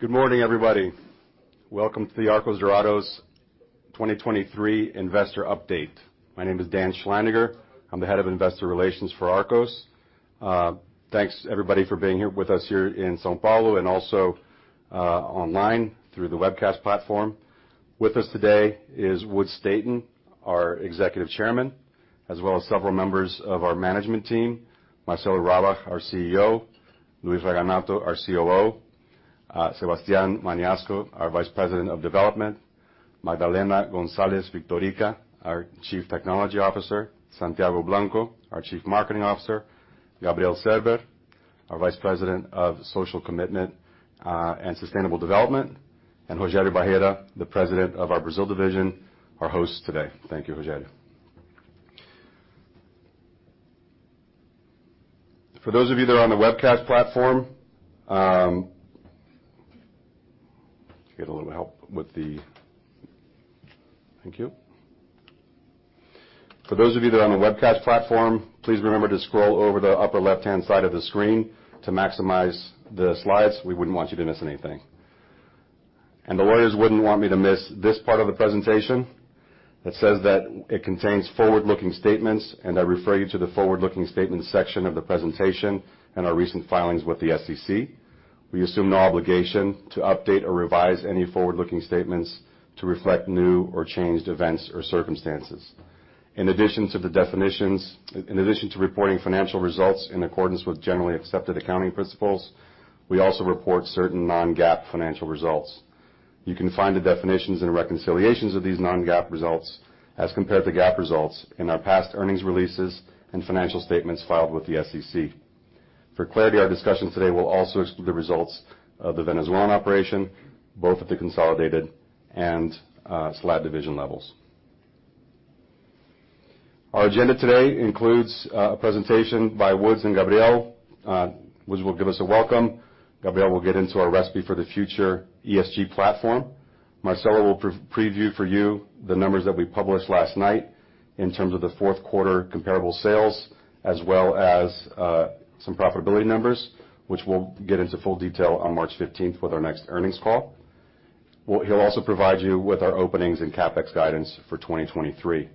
Good morning, everybody. Welcome to the Arcos Dorados 2023 investor update. My name is Daniel Schleiniger. I'm the Head of Investor Relations for Arcos. Thanks everybody for being here with us here in São Paulo, and also online through the webcast platform. With us today is Woods Staton, our Executive Chairman, as well as several members of our management team. Marcelo Rabach, our CEO. Luis Raganato, our COO; Sebastián Magnasco, our Vice President of Development; Magdalena Gonzalez Victorica, our Chief Technology Officer; Santiago Blanco, our Chief Marketing Officer; Gabriel Serber, our Vice President of Social Commitment, and Sustainable Development; Rogério Barreira, the President of our Brazil division, our host today. Thank you, Rogério. For those of you that are on the webcast platform, Thank you. For those of you that are on the webcast platform, please remember to scroll over the upper left-hand side of the screen to maximize the slides. We wouldn't want you to miss anything. The lawyers wouldn't want me to miss this part of the presentation that says that it contains forward-looking statements, and I refer you to the forward-looking statement section of the presentation and our recent filings with the SEC. We assume no obligation to update or revise any forward-looking statements to reflect new or changed events or circumstances. In addition to reporting financial results in accordance with generally accepted accounting principles, we also report certain non-GAAP financial results. You can find the definitions and reconciliations of these non-GAAP results as compared to GAAP results in our past earnings releases and financial statements filed with the SEC. For clarity, our discussion today will also exclude the results of the Venezuelan operation, both at the consolidated and SLAD division levels. Our agenda today includes a presentation by Woods and Gabriel. Woods will give us a welcome. Gabriel will get into our Recipe for the Future ESG platform. Marcelo will preview for you the numbers that we published last night in terms of the fourth quarter comparable sales, as well as some profitability numbers, which we'll get into full detail on March 15th with our next earnings call. He'll also provide you with our openings and CapEx guidance for 2023.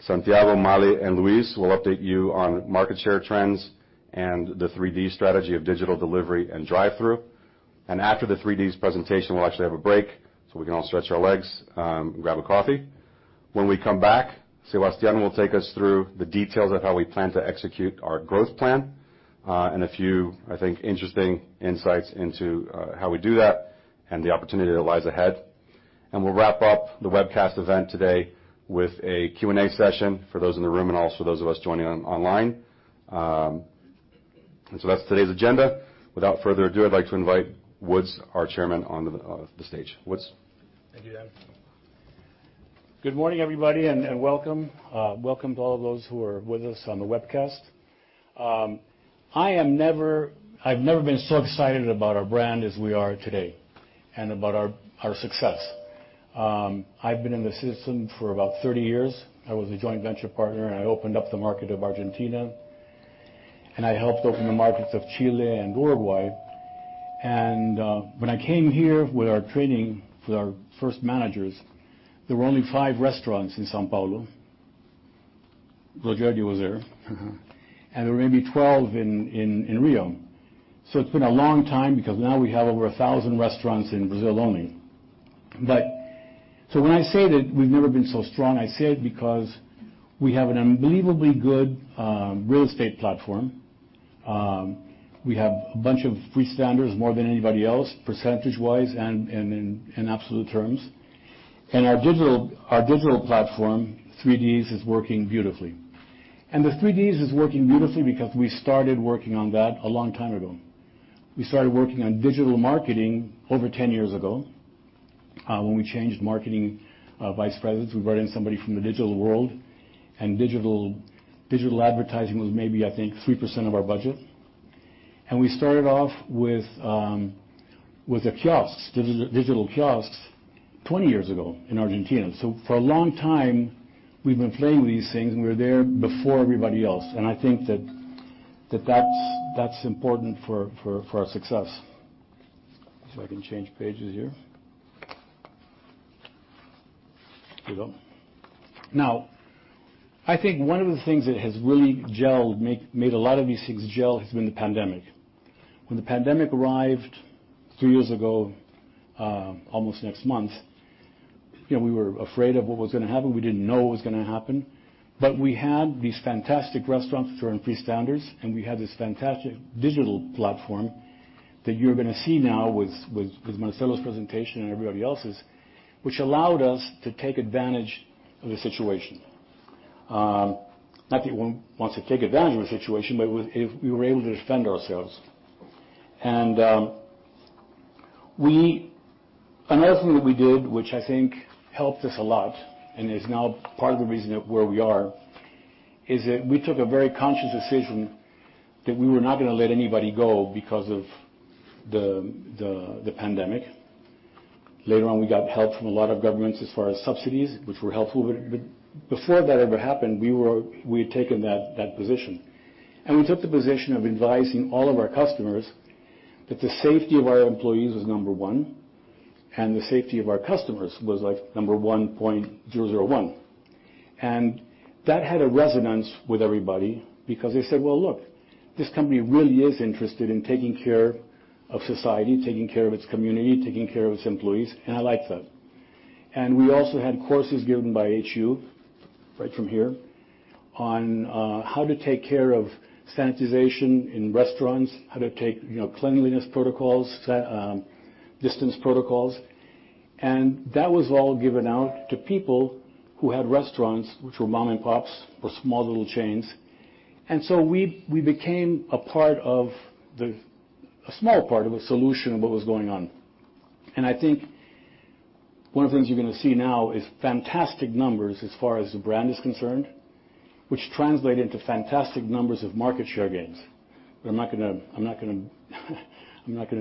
Santiago, Male, and Luis will update you on market share trends and the 3D strategy of Digital, Delivery, and Drive-thru. After the 3Ds presentation, we'll actually have a break, so we can all stretch our legs, grab a coffee. When we come back, Sebastián will take us through the details of how we plan to execute our growth plan, and a few, I think, interesting insights into how we do that and the opportunity that lies ahead. We'll wrap up the webcast event today with a Q&A session for those in the room and also those of us joining online. That's today's agenda. Without further ado, I'd like to invite Woods, our chairman, onto the stage. Woods. Thank you, Dan. Good morning, everybody, and welcome. Welcome to all those who are with us on the webcast. I've never been so excited about our brand as we are today, and about our success. I've been in the system for about 30 years. I was a joint venture partner, I opened up the market of Argentina, I helped open the markets of Chile and Uruguay. When I came here with our training for our first managers, there were only five restaurants in São Paulo. Rogério was there. Mm-hmm. There were maybe 12 in Rio. It's been a long time because now we have over 1,000 restaurants in Brazil only. When I say that we've never been so strong, I say it because we have an unbelievably good real estate platform. We have a bunch of free standers, more than anybody else, percentage-wise and in absolute terms. Our digital platform, 3Ds, is working beautifully. The 3Ds is working beautifully because we started working on that a long time ago. We started working on digital marketing over 10 years ago, when we changed marketing vice presidents. We brought in somebody from the digital world, and digital advertising was maybe, I think, 3% of our budget. We started off with kiosks, digital kiosks 20 years ago in Argentina. For a long time, we've been playing with these things, and we were there before everybody else. I think that that's important for our success. I can change pages here. Here we go. I think one of the things that has really gelled, made a lot of these things gel has been the pandemic. When the pandemic arrived three years ago, almost next month, you know, we were afraid of what was gonna happen. We didn't know what was gonna happen. We had these fantastic restaurants which are in freestanders, and we had this fantastic digital platform that you're gonna see now with Marcelo's presentation and everybody else's, which allowed us to take advantage of the situation. Not that one wants to take advantage of the situation, but we were able to defend ourselves. Another thing that we did, which I think helped us a lot and is now part of the reason of where we are, is that we took a very conscious decision that we were not gonna let anybody go because of the pandemic. Later on, we got help from a lot of governments as far as subsidies, which were helpful. Before that ever happened, we had taken that position. We took the position of advising all of our customers that the safety of our employees was number 1, and the safety of our customers was like number 1.001. That had a resonance with everybody because they said, "Well, look, this company really is interested in taking care of society, taking care of its community, taking care of its employees, and I like that." We also had courses given by HU, right from here, on how to take care of sanitization in restaurants, how to take, you know, cleanliness protocols, distance protocols. That was all given out to people who had restaurants, which were mom-and-pops or small little chains. We became a small part of a solution of what was going on. I think one of the things you're gonna see now is fantastic numbers as far as the brand is concerned, which translate into fantastic numbers of market share gains. I'm not gonna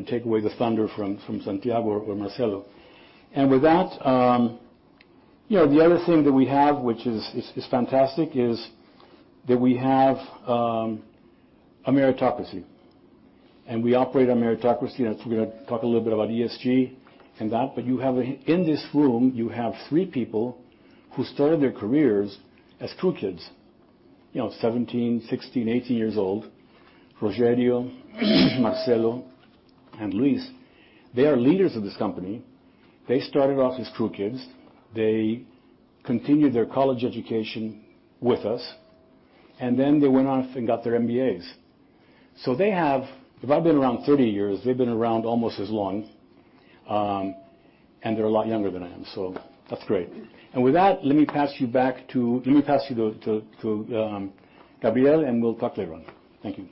take away the thunder from Santiago or Marcelo. With that, you know, the other thing that we have which is fantastic is that we have a meritocracy, and we operate on meritocracy. We're gonna talk a little bit about ESG and that. You have. In this room, you have three people who started their careers as crew kids, you know, 17, 16, 18 years old. Rogério, Marcelo, and Luis. They are leaders of this company. They started off as crew kids. They continued their college education with us, and then they went off and got their MBAs. They have. If I've been around 30 years, they've been around almost as long, and they're a lot younger than I am, that's great. With that, let me pass you to Gabriel, and we'll talk later on. Thank you.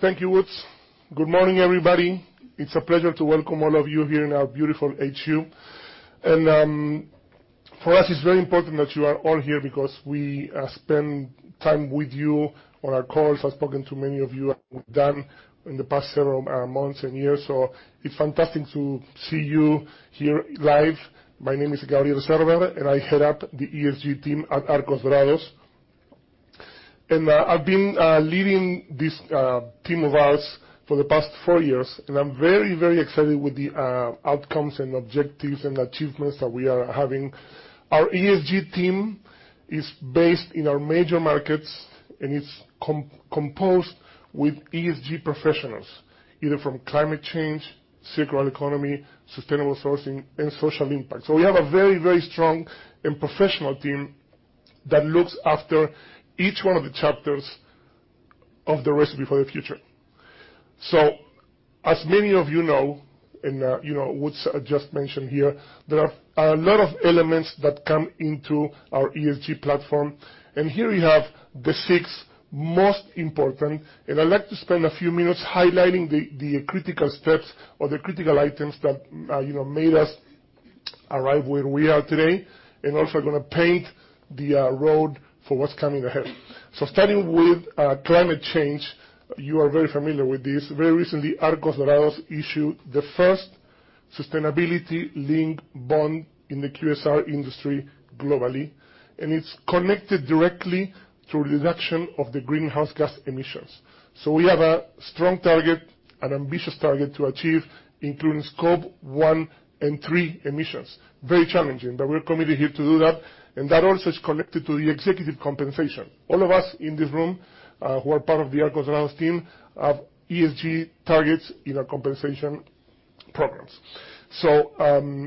Thank you, Woods. Good morning, everybody. It's a pleasure to welcome all of you here in our beautiful HU. For us, it's very important that you are all here because we spend time with you on our calls. I've spoken to many of you, and we've done in the past several months and years, so it's fantastic to see you here live. My name is Gabriel Serber, and I head up the ESG team at Arcos Dorados. I've been leading this team of ours for the past four years, and I'm very, very excited with the outcomes and objectives and achievements that we are having. Our ESG team is based in our major markets, and it's composed with ESG professionals, either from climate change, circular economy, sustainable sourcing, and social impact. We have a very, very strong and professional team that looks after each one of the chapters of the Recipe for the Future. As many of you know, and, you know, Woods just mentioned here, there are a lot of elements that come into our ESG platform. Here we have the six most important. I'd like to spend a few minutes highlighting the critical steps or the critical items that, you know, made us arrive where we are today, and also gonna paint the road for what's coming ahead. Starting with climate change, you are very familiar with this. Very recently, Arcos Dorados issued the first Sustainability-Linked Bond in the QSR industry globally, and it's connected directly to reduction of the greenhouse gas emissions. We have a strong target and ambitious target to achieve, including scope one and three emissions. Very challenging, but we're committed here to do that. That also is connected to the executive compensation. All of us in this room, who are part of the Arcos Dorados team have ESG targets in our compensation programs.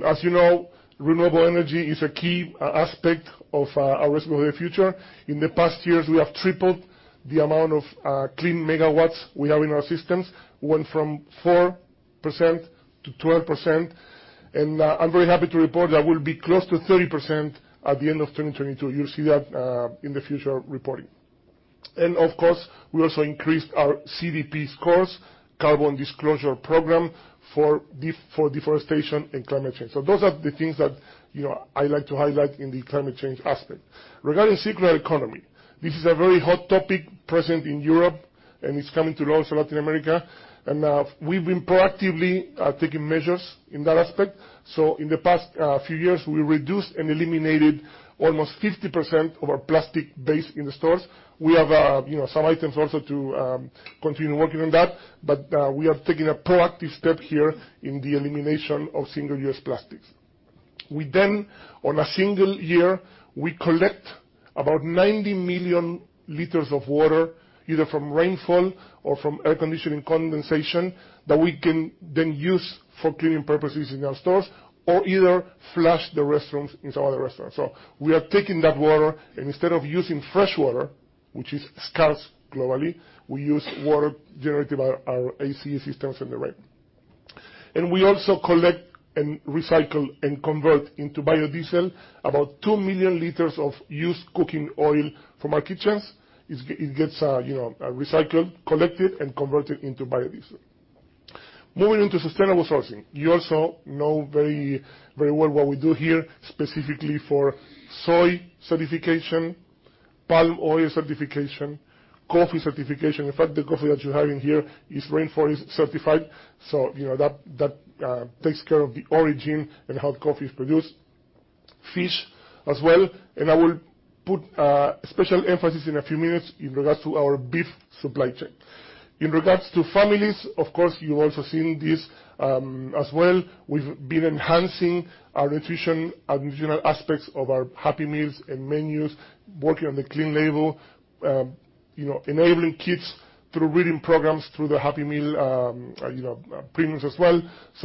As you know, renewable energy is a key aspect of our Recipe for the Future. In the past years, we have tripled the amount of clean megawatts we have in our systems. Went from 4% to 12%, and I'm very happy to report that we'll be close to 30% at the end of 2022. You'll see that in the future reporting. Of course, we also increased our CDP scores, Carbon Disclosure Project, for deforestation and climate change. Those are the things that, you know, I like to highlight in the climate change aspect. Regarding circular economy, this is a very hot topic present in Europe, and it's coming to also Latin America. We've been proactively taking measures in that aspect. In the past few years, we reduced and eliminated almost 50% of our plastic base in the stores. We have, you know, some items also to continue working on that, but we have taken a proactive step here in the elimination of single-use plastics. We then, on a single year, we collect about 90 million liters of water, either from rainfall or from air conditioning condensation, that we can then use for cleaning purposes in our stores or either flush the restrooms in some of the restaurants. We are taking that water, and instead of using fresh water, which is scarce globally, we use water generated by our AC systems and the rain. We also collect and recycle and convert into biodiesel about 2 million liters of used cooking oil from our kitchens. It gets, you know, recycled, collected, and converted into biodiesel. Moving on to sustainable sourcing. You also know very, very well what we do here, specifically for soy certification. Palm oil certification, coffee certification. In fact, the coffee that you have in here is rainforest certified, so you know, that takes care of the origin and how the coffee is produced. Fish as well. I will put special emphasis in a few minutes in regards to our beef supply chain. In regards to families, of course, you've also seen this as well. We've been enhancing our nutrition and nutritional aspects of our Happy Meals and menus, working on the clean label, you know, enabling kids through reading programs, through the Happy Meal, you know, premiums as well.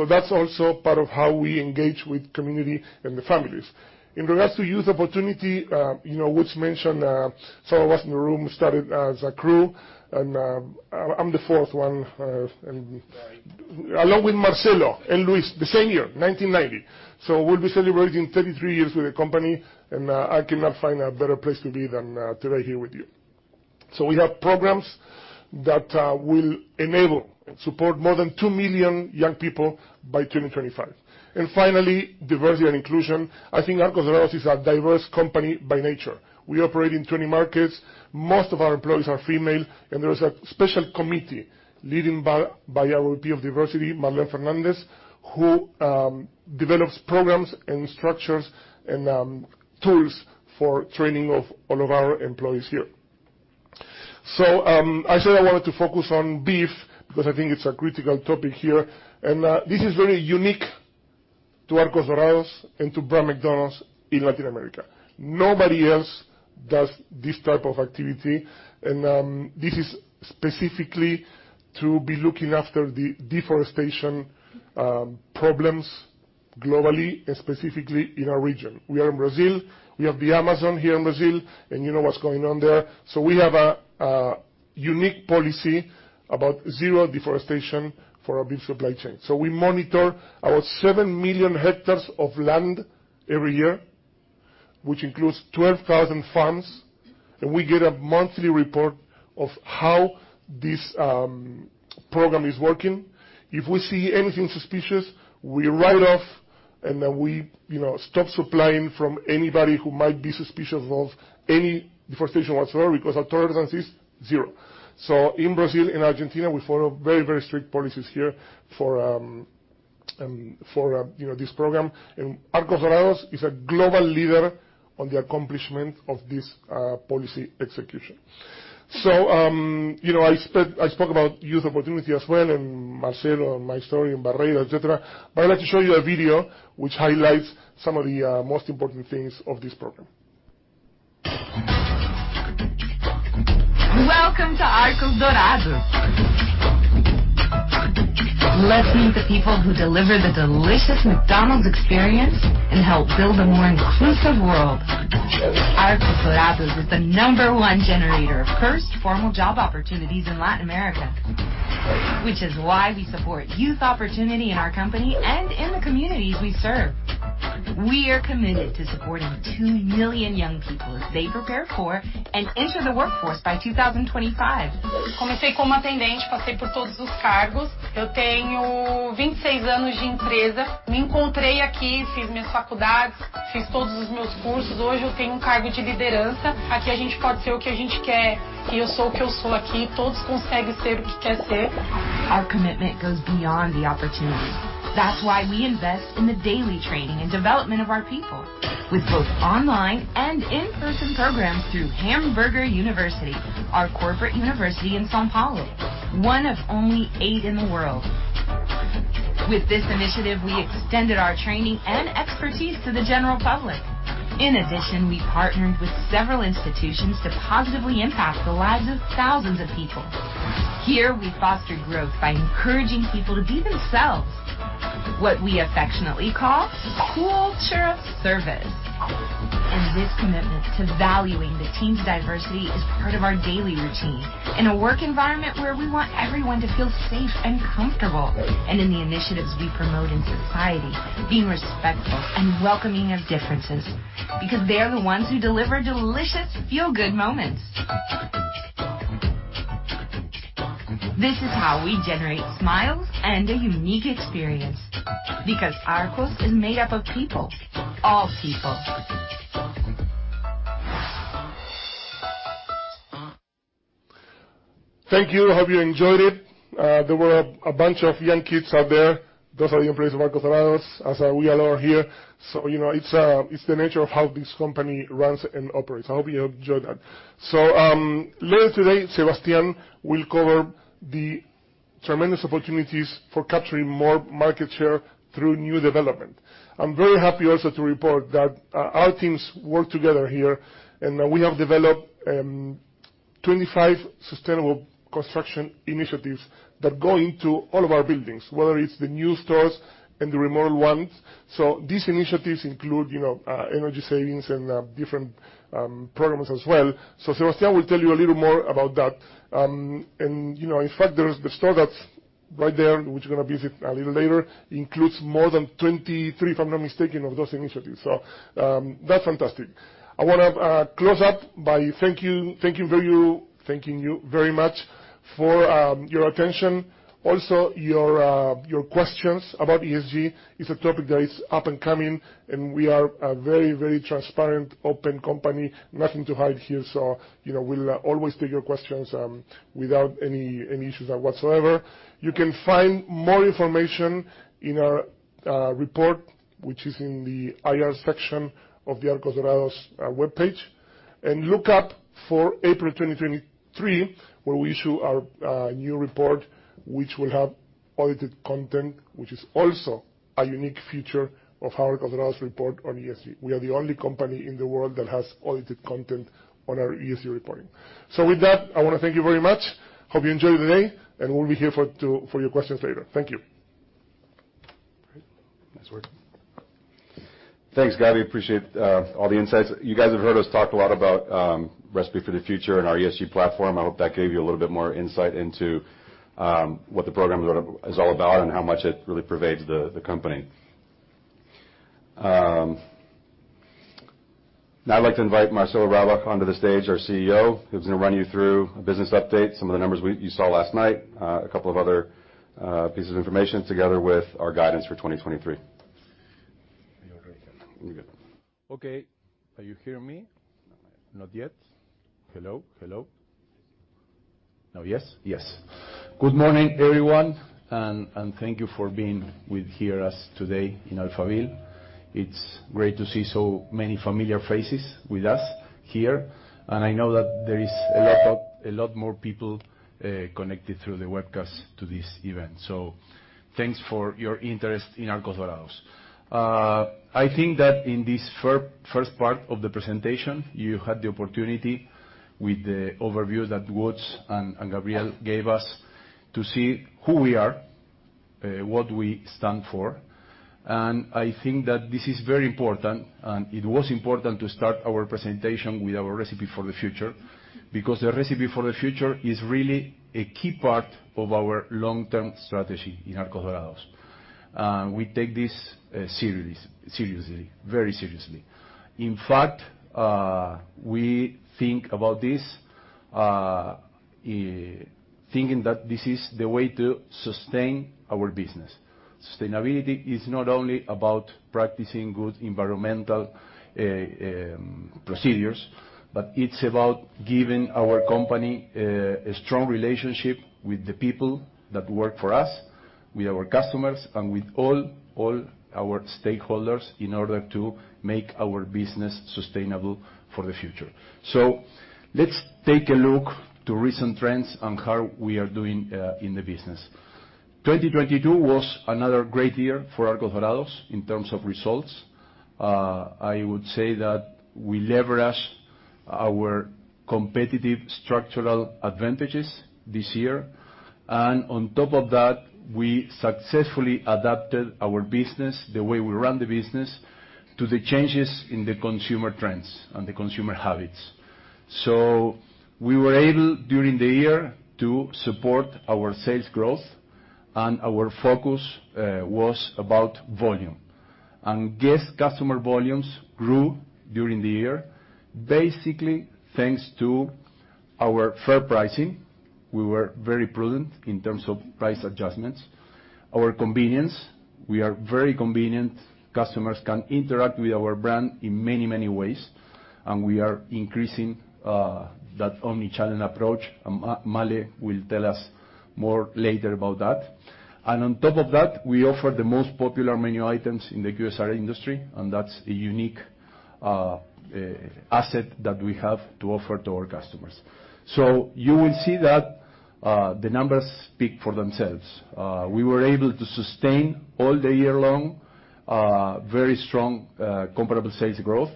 That's also part of how we engage with community and the families. In regards to youth opportunity, you know, which mentioned, some of us in the room started as a crew and, I'm the fourth one. Sorry. Along with Marcelo and Luis, the same year, 1990. We'll be celebrating 33 years with the company, and I cannot find a better place to be than today here with you. We have programs that will enable and support more than 2 million young people by 2025. Finally, diversity and inclusion. I think Arcos Dorados is a diverse company by nature. We operate in 20 markets. Most of our employees are female, and there is a special committee leading by our VP of Diversity, Marlene Fernández, who develops programs and structures and tools for training of all of our employees here. I said I wanted to focus on beef because I think it's a critical topic here, and this is very unique to Arcos Dorados and to Brand McDonald's in Latin America. Nobody else does this type of activity. This is specifically to be looking after the deforestation problems globally and specifically in our region. We are in Brazil. We have the Amazon here in Brazil, and you know what's going on there. We have a unique policy about zero deforestation for our beef supply chain. We monitor our 7 million hectares of land every year, which includes 12,000 farms, and we get a monthly report of how this program is working. If we see anything suspicious, we write off, and then we, you know, stop supplying from anybody who might be suspicious of any deforestation whatsoever, because our tolerance is zero. In Brazil and Argentina, we follow very, very strict policies here for, you know, this program. Arcos Dorados is a global leader on the accomplishment of this policy execution. You know, I spoke about youth opportunity as well, and Marcelo and my story in Barreira, et cetera, but I'd like to show you a video which highlights some of the most important things of this program. Welcome to Arcos Dorados. Let's meet the people who deliver the delicious McDonald's experience and help build a more inclusive world. Arcos Dorados is the number one generator of first formal job opportunities in Latin America, which is why we support youth opportunity in our company and in the communities we serve. We are committed to supporting 2 million young people as they prepare for and enter the workforce by 2025. Our commitment goes beyond the opportunity. That's why we invest in the daily training and development of our people, with both online and in-person programs through Hamburger University, our corporate university in São Paulo, one of only eight in the world. With this initiative, we extended our training and expertise to the general public. In addition, we partnered with several institutions to positively impact the lives of thousands of people. Here, we foster growth by encouraging people to be themselves. What we affectionately call culture of service. This commitment to valuing the team's diversity is part of our daily routine. In a work environment where we want everyone to feel safe and comfortable, and in the initiatives we promote in society, being respectful and welcoming of differences, because they are the ones who deliver delicious feel-good moments. This is how we generate smiles and a unique experience, because Arcos is made up of people, all people. Thank you. Hope you enjoyed it. There were a bunch of young kids out there. Those are the employees of Arcos Dorados, as we all are here. You know, it's the nature of how this company runs and operates. I hope you enjoyed that. Later today, Sebastián will cover the tremendous opportunities for capturing more market share through new development. I'm very happy also to report that our teams work together here, and we have developed 25 sustainable construction initiatives that go into all of our buildings, whether it's the new stores and the remodeled ones. These initiatives include, you know, energy savings and different programs as well. Sebastián will tell you a little more about that. You know, in fact, there's the store that's right there, which we're gonna visit a little later, includes more than 23, if I'm not mistaken, of those initiatives. That's fantastic. I wanna close up by thanking you very much for your attention. Also, your questions about ESG is a topic that is up and coming, and we are a very transparent, open company. Nothing to hide here, you know, we'll always take your questions without any issues or whatsoever. You can find more information in our report, which is in the IR section of the Arcos Dorados webpage. Look up for April 2023, where we issue our new report, which will have audited content, which is also a unique feature of our Arcos Dorados report on ESG. We are the only company in the world that has audited content on our ESG reporting. With that, I wanna thank you very much. Hope you enjoy the day, and we'll be here for your questions later. Thank you. Great. Nice work. Thanks, Gabi. Appreciate all the insights. You guys have heard us talk a lot about Recipe for the Future and our ESG platform. I hope that gave you a little bit more insight into what the program is all about and how much it really pervades the company. Now I'd like to invite Marcelo Rabach onto the stage, our CEO, who's gonna run you through a business update, some of the numbers you saw last night, a couple of other pieces of information together with our guidance for 2023. Are you ready? You're good. Okay. Are you hear me? No. Not yet? Hello? Hello? Now yes? Yes. Good morning, everyone, and thank you for being with here us today in Alphaville. It's great to see so many familiar faces with us here. I know that there is a lot more people connected through the webcast to this event. Thanks for your interest in Arcos Dorados. I think that in this first part of the presentation, you had the opportunity with the overview that Woods and Gabriel gave us to see who we are, what we stand for. I think that this is very important, and it was important to start our presentation with our Recipe for the Future, because the Recipe for the Future is really a key part of our long-term strategy in Arcos Dorados. We take this seriously, very seriously. In fact, we think about this, thinking that this is the way to sustain our business. Sustainability is not only about practicing good environmental procedures, but it's about giving our company, a strong relationship with the people that work for us, with our customers, and with all our stakeholders in order to make our business sustainable for the future. Let's take a look to recent trends on how we are doing in the business. 2022 was another great year for Arcos Dorados in terms of results. I would say that we leveraged our competitive structural advantages this year. On top of that, we successfully adapted our business, the way we run the business, to the changes in the consumer trends and the consumer habits. We were able, during the year, to support our sales growth, and our focus was about volume. Guest customer volumes grew during the year, basically thanks to our fair pricing. We were very prudent in terms of price adjustments. Our convenience, we are very convenient. Customers can interact with our brand in many, many ways, and we are increasing that omnichannel approach. Male will tell us more later about that. On top of that, we offer the most popular menu items in the QSR industry, and that's a unique asset that we have to offer to our customers. You will see that the numbers speak for themselves. We were able to sustain all the year long, very strong comparable sales growth,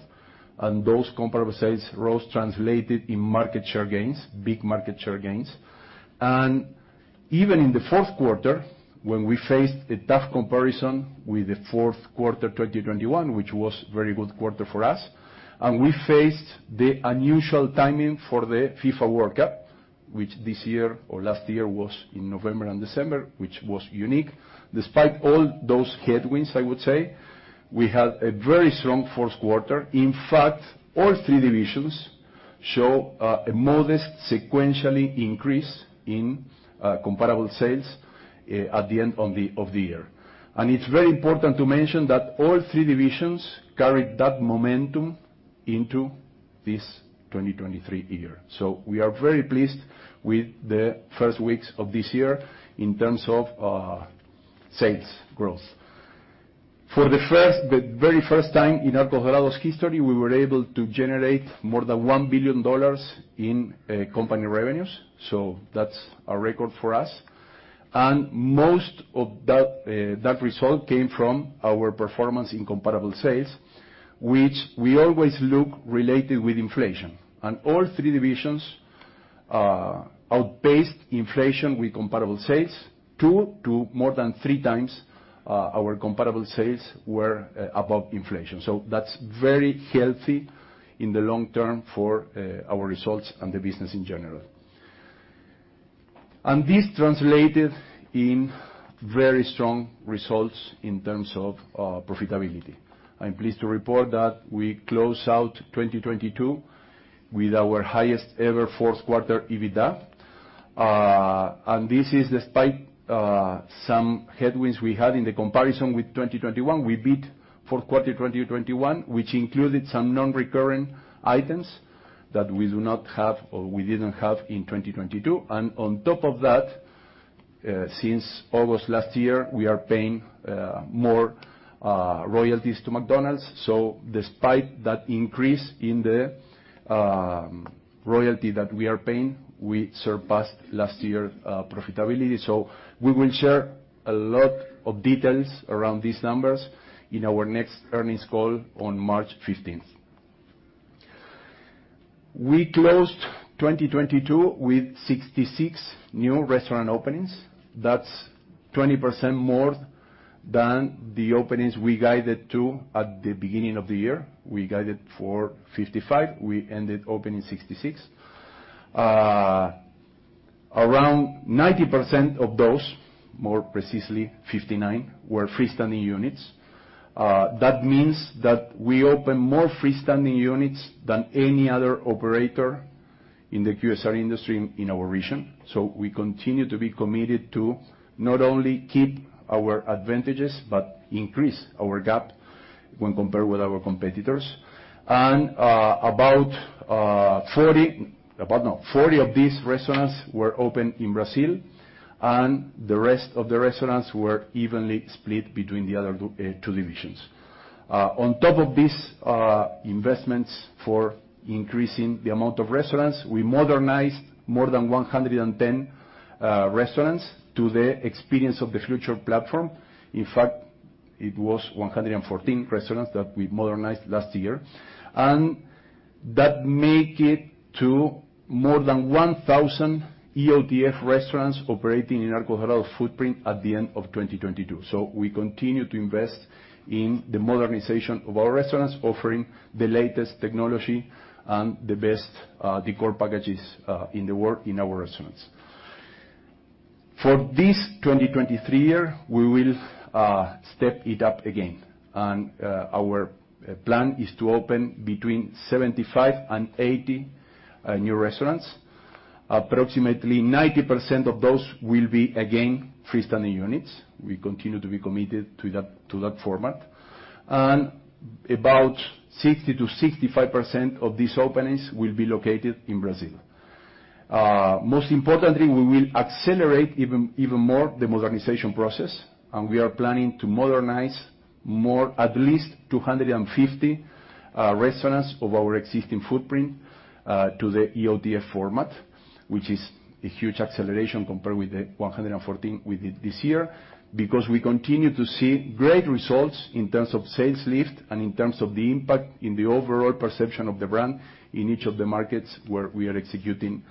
and those comparable sales growth translated in market share gains, big market share gains. Even in the fourth quarter, when we faced a tough comparison with the fourth quarter 2021, which was very good quarter for us, and we faced the unusual timing for the FIFA World Cup, which this year or last year was in November and December, which was unique. Despite all those headwinds, I would say, we had a very strong fourth quarter. In fact, all three divisions show a modest sequentially increase in comparable sales at the end of the year. It's very important to mention that all three divisions carried that momentum into this 2023 year. We are very pleased with the first weeks of this year in terms of sales growth. For the very first time in Arcos Dorados history, we were able to generate more than $1 billion in company revenues. That's a record for us. Most of that result came from our performance in comparable sales, which we always look related with inflation. All three divisions outpaced inflation with comparable sales two to more than 3x, our comparable sales were above inflation. That's very healthy in the long term for our results and the business in general. This translated in very strong results in terms of profitability. I'm pleased to report that we closed out 2022 with our highest ever fourth quarter EBITDA. This is despite some headwinds we had in the comparison with 2021. We beat fourth quarter 2021, which included some non-recurring items that we do not have or we didn't have in 2022. On top of that, since August last year, we are paying more royalties to McDonald's. Despite that increase in the royalty that we are paying, we surpassed last year profitability. We will share a lot of details around these numbers in our next earnings call on March 15th. We closed 2022 with 66 new restaurant openings. That's 20% more than the openings we guided to at the beginning of the year. We guided for 55, we ended opening 66. Around 90% of those, more precisely 59, were freestanding units. That means that we opened more freestanding units than any other operator in the QSR industry in our region. We continue to be committed to not only keep our advantages, but increase our gap when compared with our competitors. 40 of these restaurants were opened in Brazil, and the rest of the restaurants were evenly split between the other two divisions. On top of these investments for increasing the amount of restaurants, we modernized more than 110 restaurants to the Experience of the Future platform. In fact, it was 114 restaurants that we modernized last year. That make it to more than 1,000 EOTF restaurants operating in Arcos Dorados footprint at the end of 2022. We continue to invest in the modernization of our restaurants, offering the latest technology and the best decor packages in the world in our restaurants. For this 2023 year, we will step it up again, and our plan is to open between 75 and 80 new restaurants. Approximately 90% of those will be, again, freestanding units. We continue to be committed to that, to that format. About 60%-65% of these openings will be located in Brazil. Most importantly, we will accelerate even more the modernization process, and we are planning to modernize at least 250 restaurants of our existing footprint to the EOTF format, which is a huge acceleration compared with the 114 we did this year, because we continue to see great results in terms of sales lift and in terms of the impact in the overall perception of the brand in each of the markets where we are executing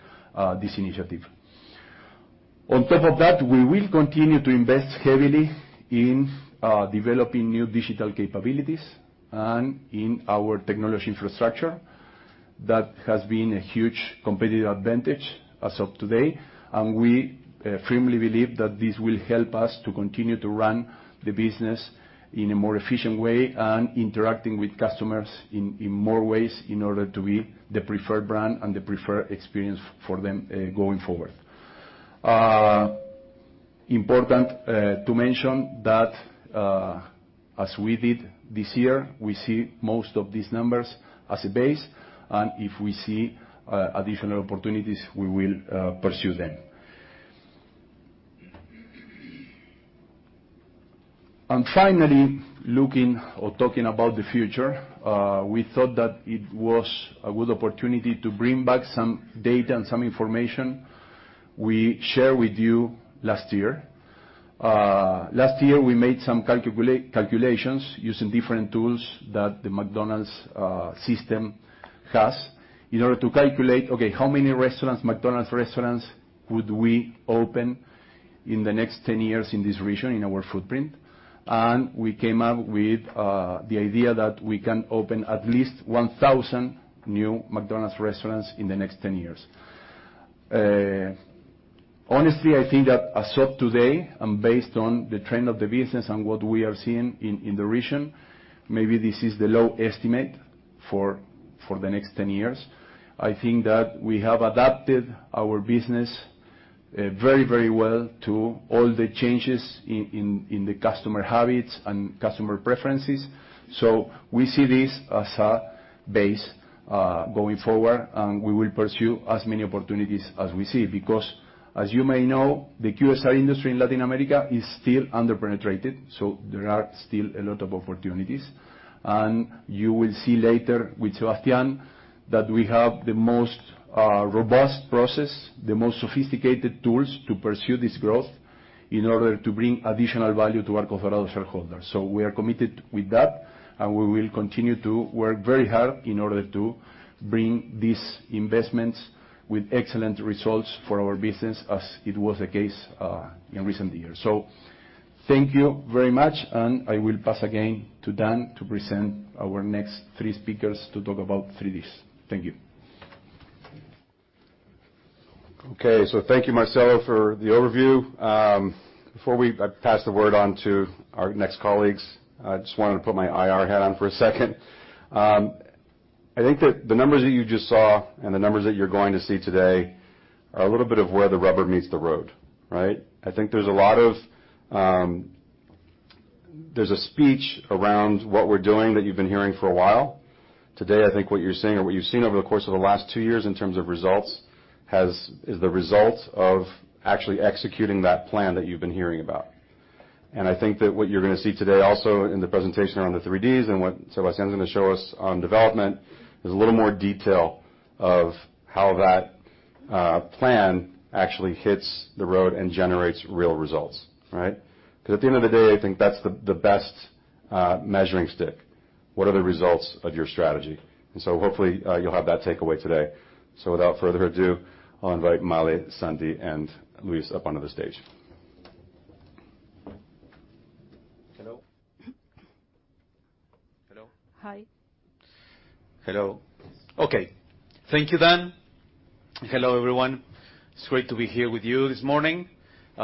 this initiative. On top of that, we will continue to invest heavily in developing new digital capabilities and in our technology infrastructure. That has been a huge competitive advantage as of today, and we firmly believe that this will help us to continue to run the business in a more efficient way and interacting with customers in more ways in order to be the preferred brand and the preferred experience for them going forward. Important to mention that as we did this year, we see most of these numbers as a base, and if we see additional opportunities, we will pursue them. Finally, looking or talking about the future, we thought that it was a good opportunity to bring back some data and some information we shared with you last year. Last year, we made some calculations using different tools that the McDonald's system has in order to calculate, okay, how many restaurants, McDonald's restaurants could we open in the next 10 years in this region, in our footprint? We came up with the idea that we can open at least 1,000 new McDonald's restaurants in the next 10 years. Honestly, I think that as of today, based on the trend of the business and what we are seeing in the region, maybe this is the low estimate for the next 10 years. I think that we have adapted our business very, very well to all the changes in the customer habits and customer preferences. We see this as a base going forward, and we will pursue as many opportunities as we see. As you may know, the QSR industry in Latin America is still under-penetrated, so there are still a lot of opportunities. You will see later with Sebastián that we have the most robust process, the most sophisticated tools to pursue this growth in order to bring additional value to Arcos Dorados shareholders. We are committed with that, and we will continue to work very hard in order to bring these investments with excellent results for our business, as it was the case in recent years. Thank you very much, and I will pass again to Dan to present our next three speakers to talk about 3Ds. Thank you. Thank you, Marcelo, for the overview. Before I pass the word on to our next colleagues, I just wanted to put my IR hat on for a second. I think that the numbers that you just saw and the numbers that you're going to see today are a little bit of where the rubber meets the road, right? I think there's a lot of. There's a speech around what we're doing that you've been hearing for a while. Today, I think what you're seeing or what you've seen over the course of the last two years in terms of results is the result of actually executing that plan that you've been hearing about. I think that what you're gonna see today also in the presentation around the 3Ds and what Sebastián gonna show us on development is a little more detail of how that plan actually hits the road and generates real results, right? At the end of the day, I think that's the best measuring stick. What are the results of your strategy? Hopefully, you'll have that takeaway today. Without further ado, I'll invite Male, Santi, and Luis up onto the stage. Hello? Hello? Hi. Hello. Okay. Thank you, Dan. Hello, everyone. It's great to be here with you this morning.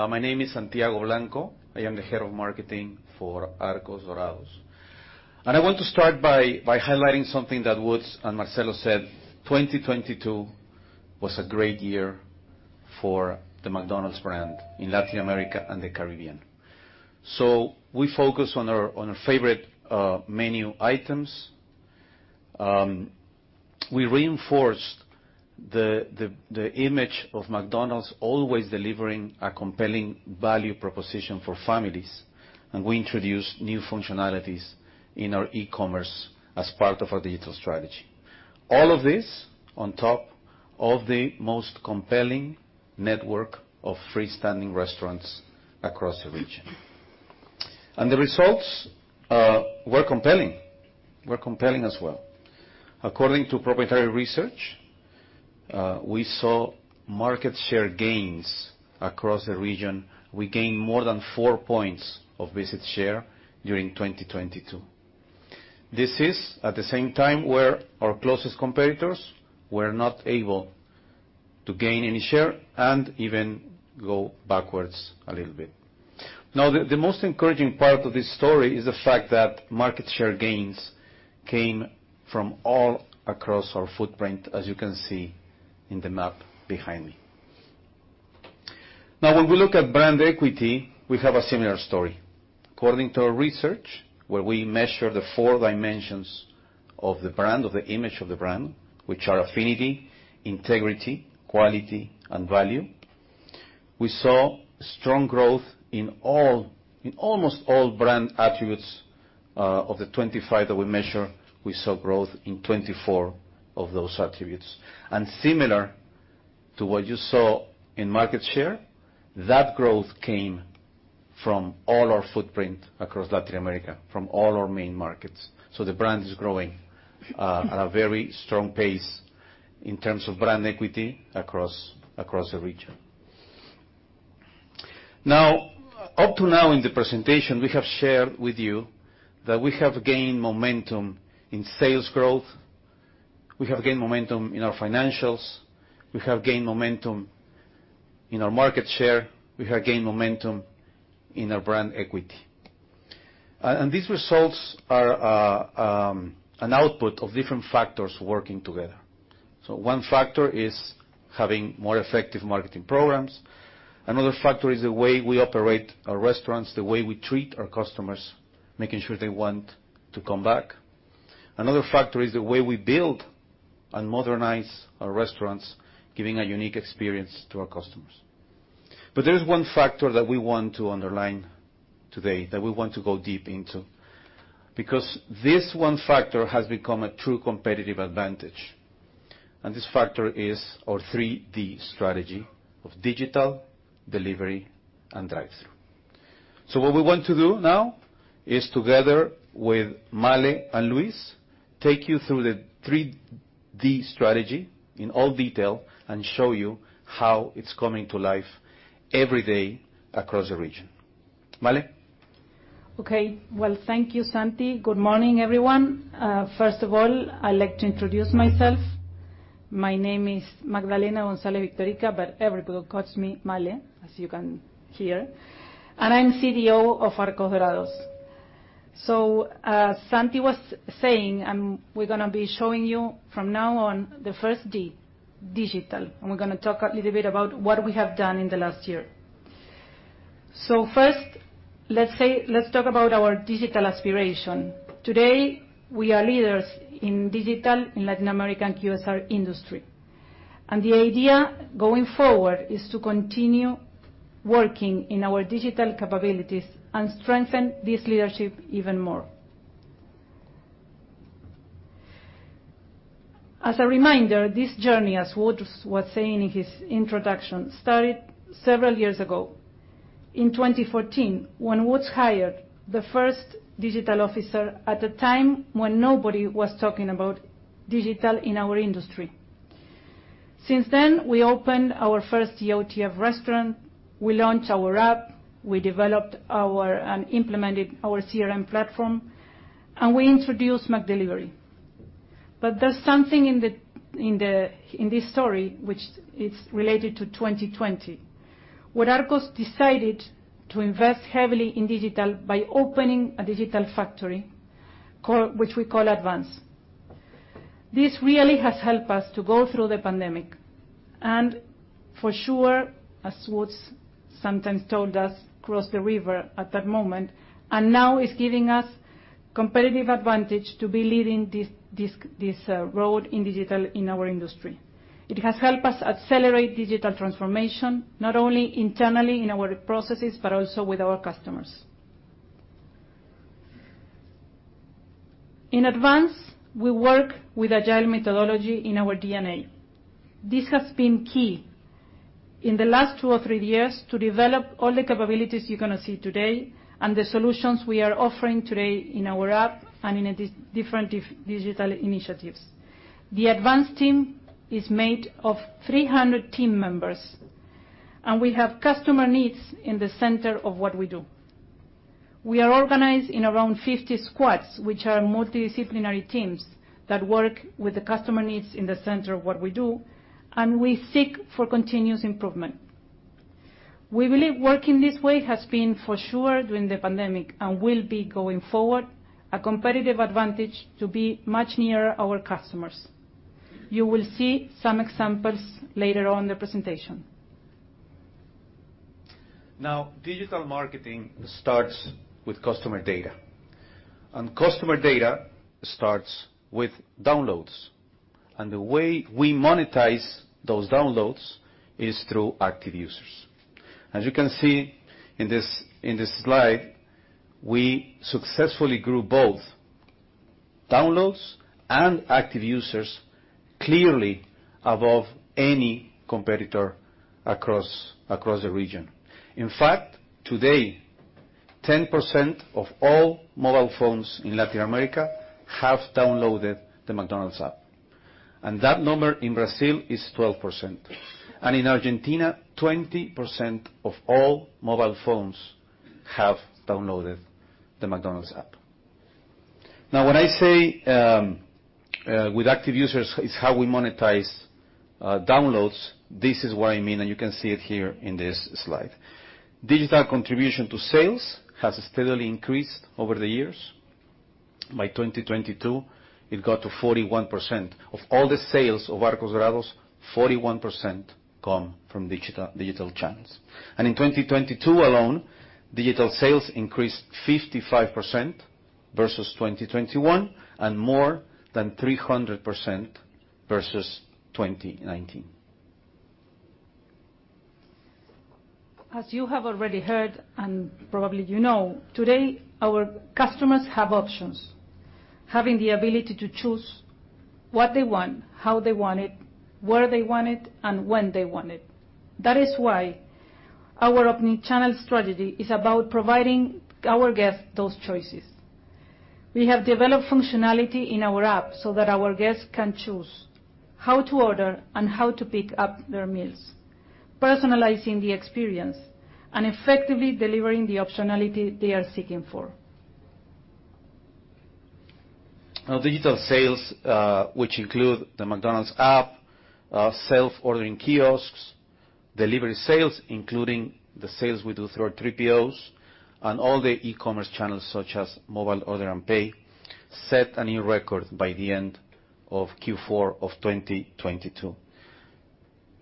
My name is Santiago Blanco. I am the head of marketing for Arcos Dorados. I want to start by highlighting something that Woods and Marcelo said, 2022 was a great year for the McDonald's brand in Latin America and the Caribbean. We focused on our favorite menu items. We reinforced the image of McDonald's always delivering a compelling value proposition for families, and we introduced new functionalities in our e-commerce as part of our digital strategy. All of this on top of the most compelling network of freestanding restaurants across the region. The results were compelling as well. According to proprietary research, we saw market share gains across the region. We gained more than 4 points of visit share during 2022. This is at the same time where our closest competitors were not able to gain any share and even go backwards a little bit. The most encouraging part of this story is the fact that market share gains came from all across our footprint, as you can see in the map behind me. When we look at brand equity, we have a similar story. According to our research, where we measure the four dimensions of the brand, of the image of the brand, which are affinity, integrity, quality, and value, we saw strong growth in almost all brand attributes. Of the 25 that we measure, we saw growth in 24 of those attributes. Similar to what you saw in market share, that growth came from all our footprint across Latin America, from all our main markets. The brand is growing at a very strong pace in terms of brand equity across the region. Up to now in the presentation, we have shared with you that we have gained momentum in sales growth. We have gained momentum in our financials. We have gained momentum in our market share. We have gained momentum in our brand equity. These results are an output of different factors working together. One factor is having more effective marketing programs. Another factor is the way we operate our restaurants, the way we treat our customers, making sure they want to come back. Another factor is the way we build and modernize our restaurants, giving a unique experience to our customers. There is one factor that we want to underline today, that we want to go deep into, because this one factor has become a true competitive advantage. This factor is our 3D strategy of digital, delivery, and drive-through. What we want to do now is, together with Male and Luis, take you through the 3D strategy in all detail and show you how it's coming to life every day across the region. Male? Okay. Well, thank you, Santi. Good morning, everyone. First of all, I'd like to introduce myself. My name is Magdalena Gonzalez Victorica, but everybody calls me Male, as you can hear. I'm CTO of Arcos Dorados. As Santi was saying, we're gonna be showing you from now on the first D, digital, and we're gonna talk a little bit about what we have done in the last year. First, let's say, let's talk about our digital aspiration. Today, we are leaders in digital in Latin American QSR industry. The idea going forward is to continue working in our digital capabilities and strengthen this leadership even more. As a reminder, this journey, as Woods was saying in his introduction, started several years ago in 2014, when Woods hired the first digital officer at a time when nobody was talking about digital in our industry. Since then, we opened our first EOTF restaurant, we launched our app, we developed and implemented our CRM platform, we introduced McDelivery. There's something in this story which is related to 2020, where Arcos decided to invest heavily in digital by opening a digital factory which we call ADvance. This really has helped us to go through the pandemic, and for sure, as Woods sometimes told us, cross the river at that moment, and now it's giving us competitive advantage to be leading this road in digital in our industry. It has helped us accelerate digital transformation, not only internally in our processes, but also with our customers. In ADvance, we work with agile methodology in our DNA. This has been key in the last two or three years to develop all the capabilities you're gonna see today, and the solutions we are offering today in our app and in different digital initiatives. The ADvance team is made of 300 team members, and we have customer needs in the center of what we do. We are organized in around 50 squads, which are multidisciplinary teams that work with the customer needs in the center of what we do, and we seek for continuous improvement. We believe working this way has been for sure during the pandemic and will be going forward a competitive advantage to be much nearer our customers. You will see some examples later on in the presentation. Digital marketing starts with customer data, and customer data starts with downloads. The way we monetize those downloads is through active users. As you can see in this slide, we successfully grew both downloads and active users clearly above any competitor across the region. In fact, today, 10% of all mobile phones in Latin America have downloaded the McDonald's app. That number in Brazil is 12%, and in Argentina, 20% of all mobile phones have downloaded the McDonald's app. When I say with active users is how we monetize downloads, this is what I mean, and you can see it here in this slide. Digital contribution to sales has steadily increased over the years. By 2022, it got to 41%. Of all the sales of Arcos Dorados, 41% come from digital channels. In 2022 alone, digital sales increased 55% versus 2021, and more than 300% versus 2019. As you have already heard, and probably you know, today our customers have options. Having the ability to choose what they want, how they want it, where they want it, and when they want it. That is why our omnichannel strategy is about providing our guests those choices. We have developed functionality in our app so that our guests can choose how to order and how to pick up their meals, personalizing the experience and effectively delivering the optionality they are seeking for. Now, digital sales, which include the McDonald's app, self-ordering kiosks, delivery sales, including the sales we do through our 3POs, and all the e-commerce channels such as Mobile Order and Pay, set a new record by the end of Q4 of 2022.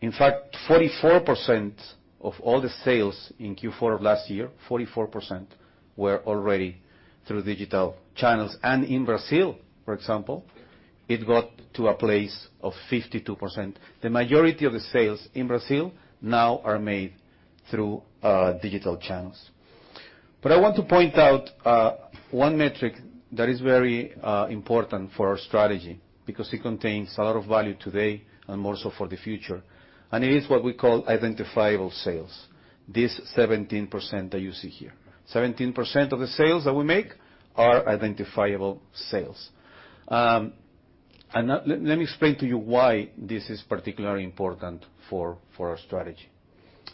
In fact, 44% of all the sales in Q4 of last year, 44% were already through digital channels. In Brazil, for example, it got to a place of 52%. The majority of the sales in Brazil now are made through digital channels. I want to point out one metric that is very important for our strategy because it contains a lot of value today and more so for the future. It is what we call identifiable sales, this 17% that you see here. 17% of the sales that we make are identifiable sales. Now let me explain to you why this is particularly important for our strategy.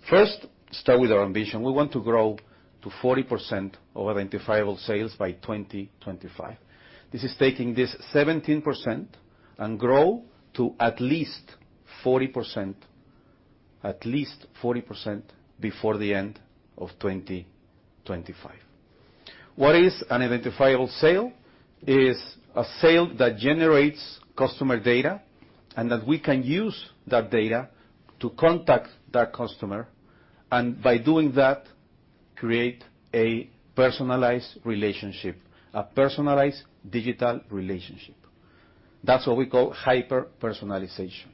First, start with our ambition. We want to grow to 40% of identifiable sales by 2025. This is taking this 17% and grow to at least 40% before the end of 2025. What is an identifiable sale? Is a sale that generates customer data and that we can use that data to contact that customer, and by doing that, create a personalized relationship, a personalized digital relationship. That's what we call hyper-personalization.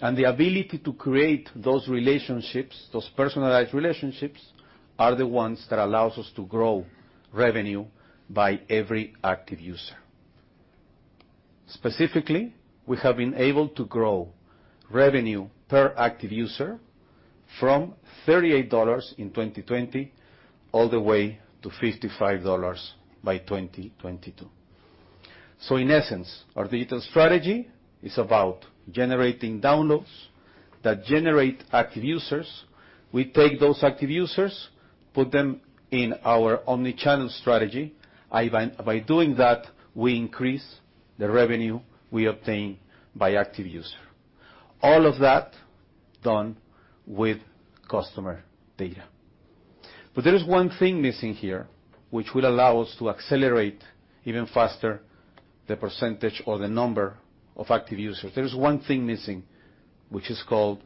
The ability to create those relationships, those personalized relationships, are the ones that allows us to grow revenue by every active user. Specifically, we have been able to grow revenue per active user From $38 in 2020 all the way to $55 by 2022. In essence, our digital strategy is about generating downloads that generate active users. We take those active users, put them in our omnichannel strategy. By doing that, we increase the revenue we obtain by active user. All of that done with customer data. There is one thing missing here which will allow us to accelerate even faster the percentage or the number of active users. There is one thing missing, which is called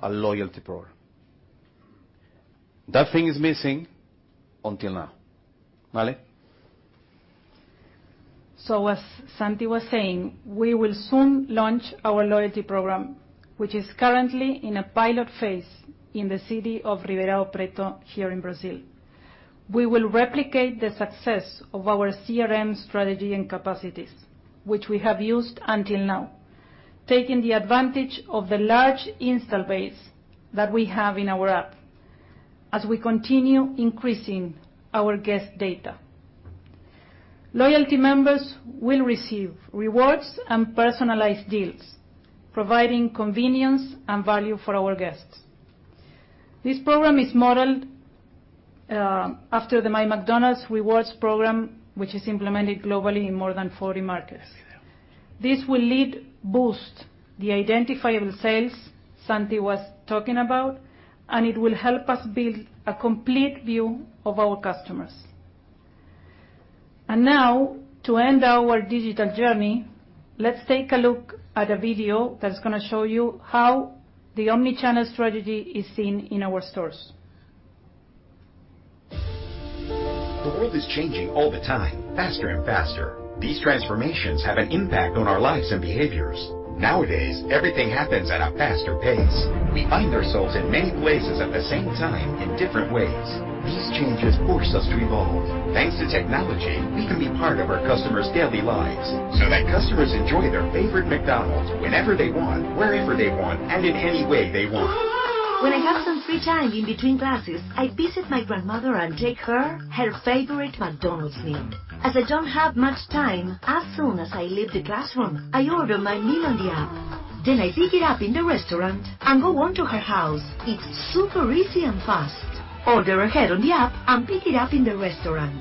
a loyalty program. That thing is missing until now. Male? As Santi was saying, we will soon launch our loyalty program, which is currently in a pilot phase in the city of Ribeirão Preto here in Brazil. We will replicate the success of our CRM strategy and capacities, which we have used until now, taking the advantage of the large install base that we have in our app as we continue increasing our guest data. Loyalty members will receive rewards and personalized deals, providing convenience and value for our guests. This program is modeled after the MyMcDonald's Rewards program, which is implemented globally in more than 40 markets. This will boost the identifiable sales Santi was talking about, and it will help us build a complete view of our customers. Now, to end our digital journey, let's take a look at a video that's gonna show you how the omnichannel strategy is seen in our stores. The world is changing all the time, faster and faster. These transformations have an impact on our lives and behaviors. Nowadays, everything happens at a faster pace. We find ourselves in many places at the same time in different ways. These changes force us to evolve. Thanks to technology, we can be part of our customers' daily lives, so that customers enjoy their favorite McDonald's whenever they want, wherever they want, and in any way they want. When I have some free time in between classes, I visit my grandmother and take her her favorite McDonald's meal. As I don't have much time, as soon as I leave the classroom, I order my meal on the app. I pick it up in the restaurant and go on to her house. It's super easy and fast. Order ahead on the app and pick it up in the restaurant,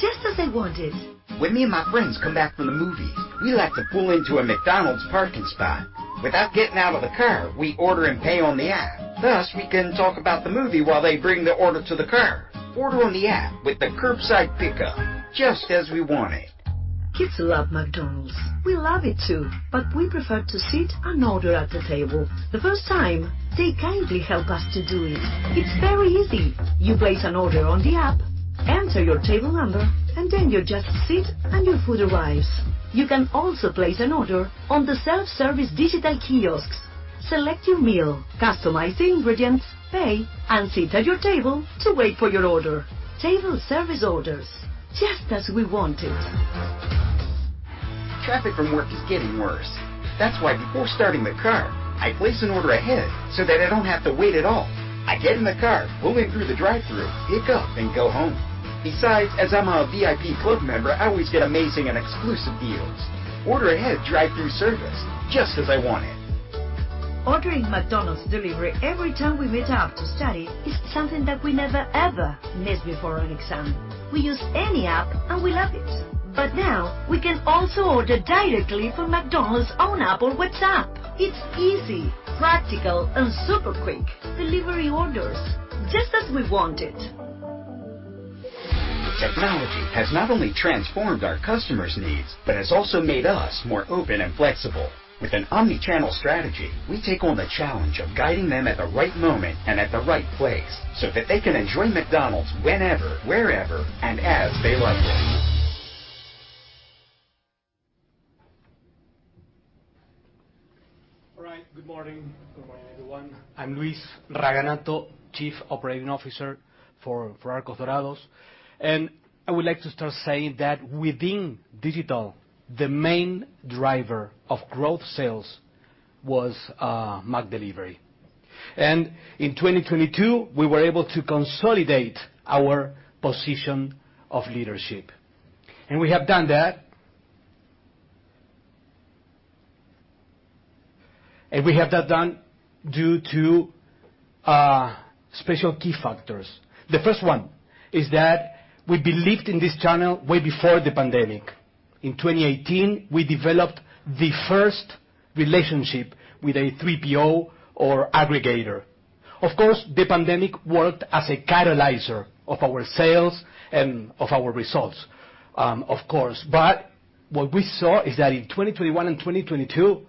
just as I wanted. When me and my friends come back from the movies, we like to pull into a McDonald's parking spot. Without getting out of the car, we order and pay on the app. We can talk about the movie while they bring the order to the car. Order on the app with the curbside pickup, just as we want it. Kids love McDonald's. We love it too, but we prefer to sit and order at the table. The first time, they kindly help us to do it. It's very easy. You place an order on the app, enter your table number, and then you just sit, and your food arrives. You can also place an order on the self-service digital kiosks. Select your meal, customize the ingredients, pay, and sit at your table to wait for your order. Table service orders, just as we want it. Traffic from work is getting worse. That's why before starting the car, I place an order ahead so that I don't have to wait at all. I get in the car, pull in through the drive-thru, pick up and go home. Besides, as I'm a VIP Club member, I always get amazing and exclusive deals. Order ahead drive-thru service, just as I want it. Ordering McDonald's delivery every time we meet up to study is something that we never ever miss before an exam. We use any app, and we love it. Now we can also order directly from McDonald's own app or WhatsApp. It's easy, practical, and super quick. Delivery orders, just as we want it. Technology has not only transformed our customers' needs, but has also made us more open and flexible. With an omnichannel strategy, we take on the challenge of guiding them at the right moment and at the right place, so that they can enjoy McDonald's whenever, wherever, and as they like it. All right. Good morning. Good morning, everyone. I'm Luis Raganato, Chief Operating Officer for Arcos Dorados. I would like to start saying that within digital, the main driver of growth sales was McDelivery. In 2022, we were able to consolidate our position of leadership. We have that done due to special key factors. The first one is that we believed in this channel way before the pandemic. In 2018, we developed the first relationship with a 3PO or aggregator. Of course, the pandemic worked as a catalyzer of our sales and of our results, of course. What we saw is that in 2021 and 2022,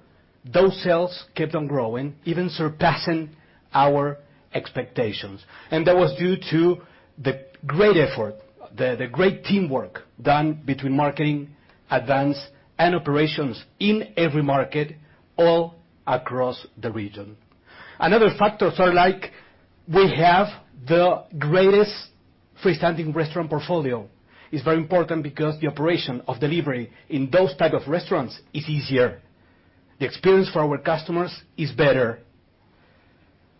those sales kept on growing, even surpassing our expectations. That was due to the great effort, the great teamwork done between marketing, ADvance, and operations in every market all across the region. Another factor, like we have the greatest freestanding restaurant portfolio. It's very important because the operation of delivery in those type of restaurants is easier. The experience for our customers is better.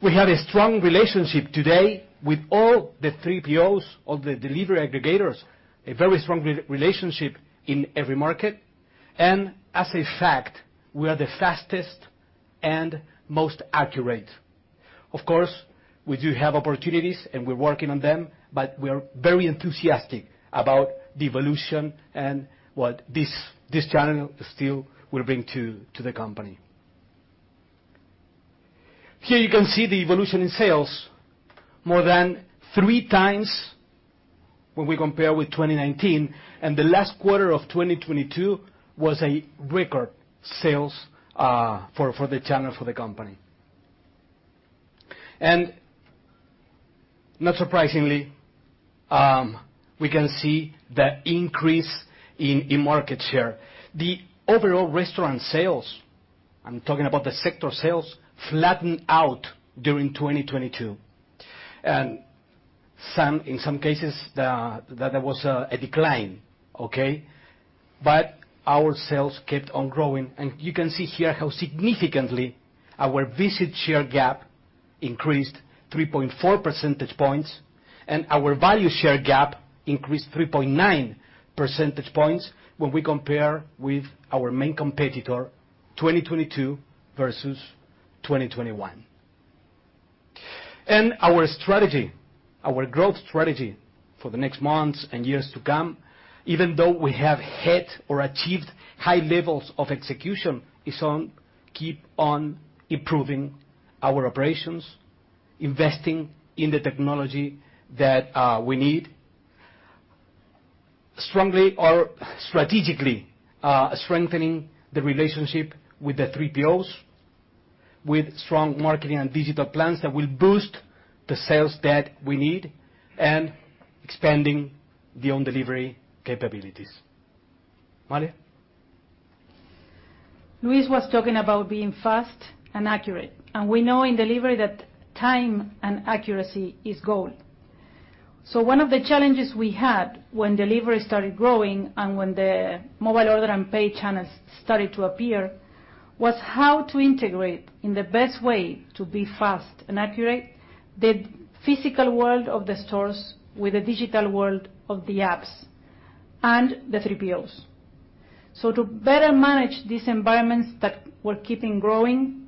We have a strong relationship today with all the 3POs, all the delivery aggregators, a very strong re-relationship in every market. As a fact, we are the fastest and most accurate. Of course, we do have opportunities, and we're working on them, but we are very enthusiastic about the evolution and what this channel still will bring to the company. Here you can see the evolution in sales, more than 3x when we compare with 2019. The last quarter of 2022 was a record sales for the channel, for the company. Not surprisingly, we can see the increase in market share. The overall restaurant sales, I'm talking about the sector sales, flattened out during 2022. In some cases, there was a decline, okay? Our sales kept on growing, and you can see here how significantly our visit share gap increased 3.4 percentage points, and our value share gap increased 3.9 percentage points when we compare with our main competitor, 2022 versus 2021. Our strategy, our growth strategy for the next months and years to come, even though we have hit or achieved high levels of execution, is on, keep on improving our operations, investing in the technology that we need. Strongly or strategically, strengthening the relationship with the 3POs with strong marketing and digital plans that will boost the sales that we need and expanding the own delivery capabilities. Male? Luis was talking about being fast and accurate. We know in delivery that time and accuracy is gold. One of the challenges we had when delivery started growing and when the Mobile Order and Pay channels started to appear, was how to integrate in the best way to be fast and accurate, the physical world of the stores with the digital world of the apps and the 3POs. To better manage these environments that were keeping growing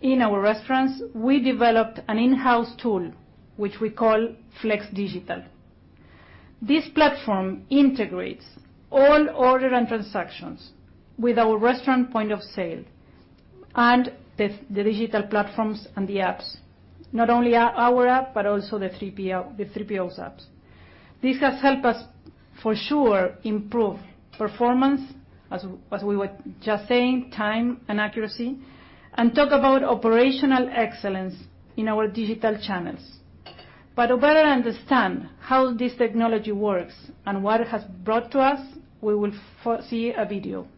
in our restaurants, we developed an in-house tool, which we call Flex Digital. This platform integrates all order and transactions with our restaurant point of sale and the digital platforms and the apps, not only our app, but also the 3POs apps. This has helped us, for sure, improve performance, as we were just saying, time and accuracy, and talk about operational excellence in our digital channels. To better understand how this technology works and what it has brought to us, we will see a video.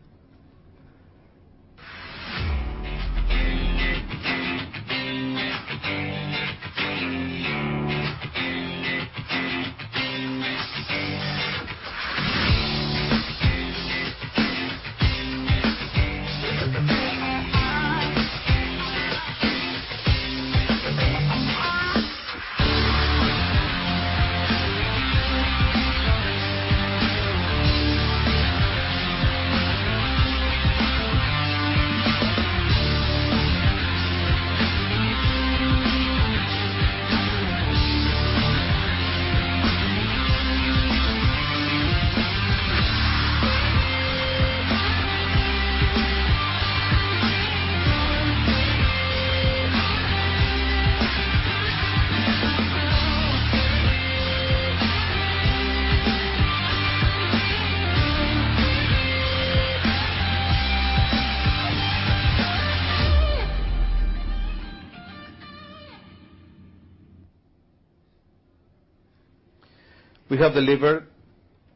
We have delivered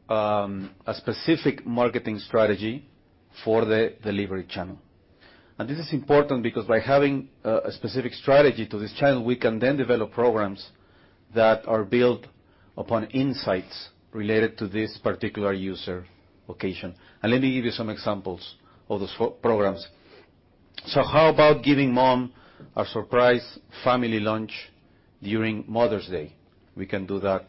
a specific marketing strategy for the delivery channel. This is important because by having a specific strategy to this channel, we can then develop programs that are built upon insights related to this particular user location. Let me give you some examples of those programs. How about giving mom a surprise family lunch during Mother's Day? We can do that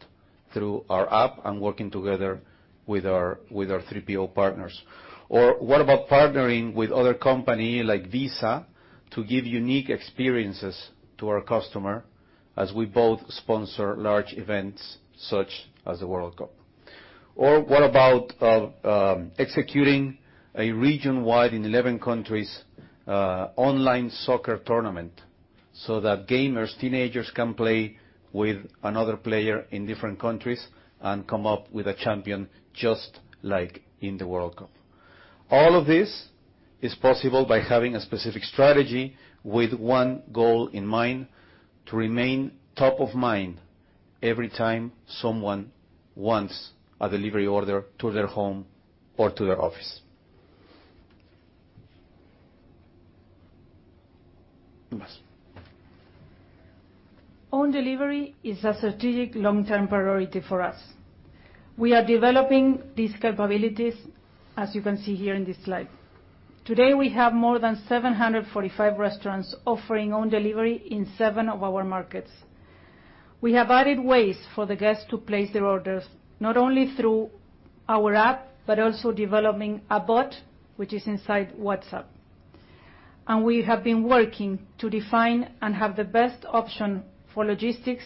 through our app and working together with our 3PO partners. What about partnering with other company like Visa to give unique experiences to our customer as we both sponsor large events such as the World Cup? What about executing a region-wide, in 11 countries, online soccer tournament so that gamers, teenagers can play with another player in different countries and come up with a champion just like in the World Cup? All of this is possible by having a specific strategy with one goal in mind, to remain top of mind every time someone wants a delivery order to their home or to their office. Own delivery is a strategic long-term priority for us. We are developing these capabilities as you can see here in this slide. Today, we have more than 745 restaurants offering own delivery in seven of our markets. We have added ways for the guests to place their orders, not only through our app, but also developing a bot which is inside WhatsApp. We have been working to define and have the best option for logistics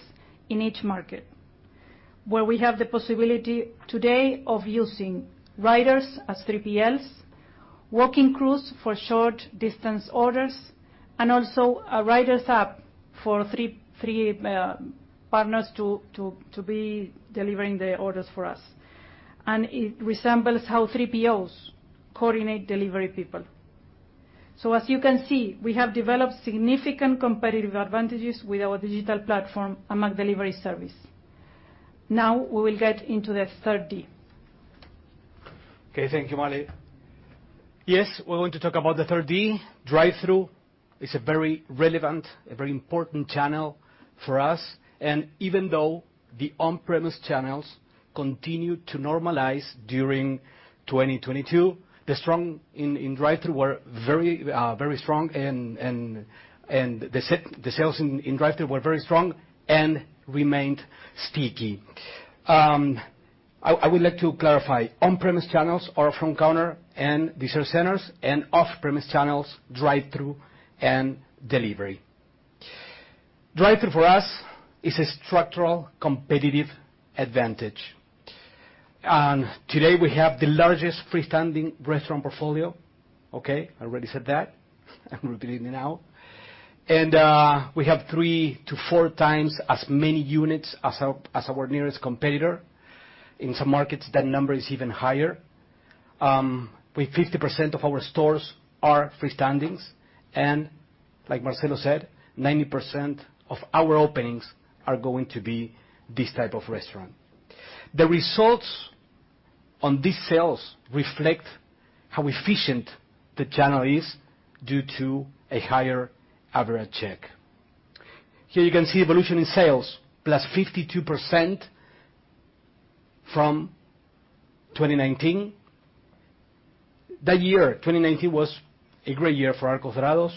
in each market, where we have the possibility today of using riders as 3PLs, walking crews for short distance orders, and also a rider's app for three partners to be delivering the orders for us. It resembles how 3POs coordinate delivery people. As you can see, we have developed significant competitive advantages with our digital platform among delivery service. We will get into the third D. Okay, thank you, Male. Yes, we're going to talk about the third D, drive-thru. It's a very relevant, a very important channel for us, and even though the on-premise channels continued to normalize during 2022, the strong in drive-thru were very strong and the sales in drive-thru were very strong and remained sticky. I would like to clarify. On-premise channels are from counter and dessert centers, and off-premise channels, drive-thru and delivery. Drive-thru for us is a structural competitive advantage. Today, we have the largest freestanding restaurant portfolio. Okay, I already said that. I'm repeating it now. we have 3x-4x as many units as our nearest competitor. In some markets, that number is even higher. With 50% of our stores are free standings and like Marcelo said, 90% of our openings are going to be this type of restaurant. The results on these sales reflect how efficient the channel is due to a higher average check. Here you can see evolution in sales, +52% from 2019. That year, 2019, was a great year for Arcos Dorados.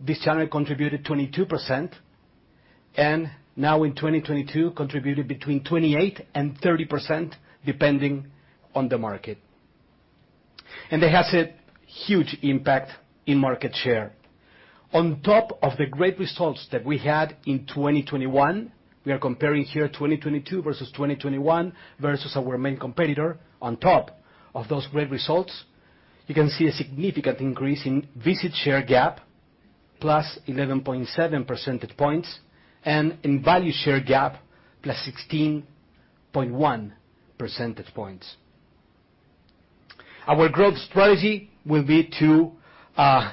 This channel contributed 22%, and now in 2022, contributed between 28% and 30%, depending on the market. That has a huge impact in market share. On top of the great results that we had in 2021, we are comparing here 2022 versus 2021 versus our main competitor. On top of those great results, you can see a significant increase in visit share gap, +11.7 percentage points, and in value share gap, +16.1 percentage points. Our growth strategy will be to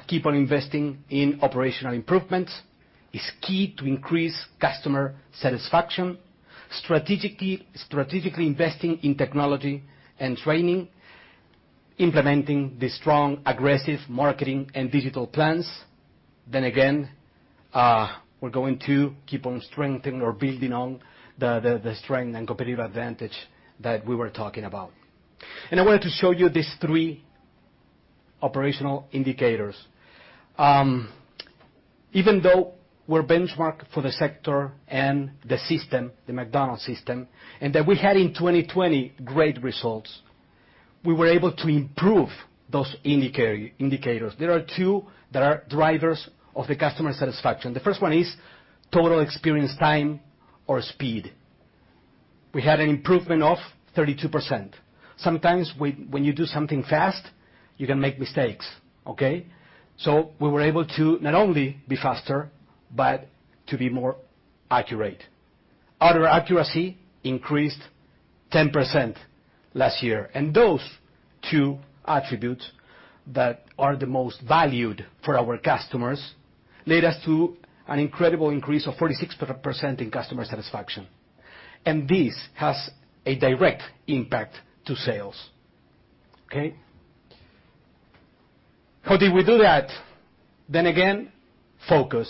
keep on investing in operational improvements. It's key to increase customer satisfaction. Strategically investing in technology and training, implementing the strong aggressive marketing and digital plans. We're going to keep on strengthening or building on the strength and competitive advantage that we were talking about. I wanted to show you these three operational indicators. Even though we're benchmarked for the sector and the system, the McDonald's system, and that we had in 2020 great results, we were able to improve those indicators. There are two that are drivers of the customer satisfaction. The first one is total experience time or speed. We had an improvement of 32%. Sometimes when you do something fast, you can make mistakes, okay? We were able to not only be faster, but to be more accurate. Order accuracy increased 10% last year. Those two attributes that are the most valued for our customers led us to an incredible increase of 46% in customer satisfaction. This has a direct impact to sales. Okay? How did we do that? Again, focus.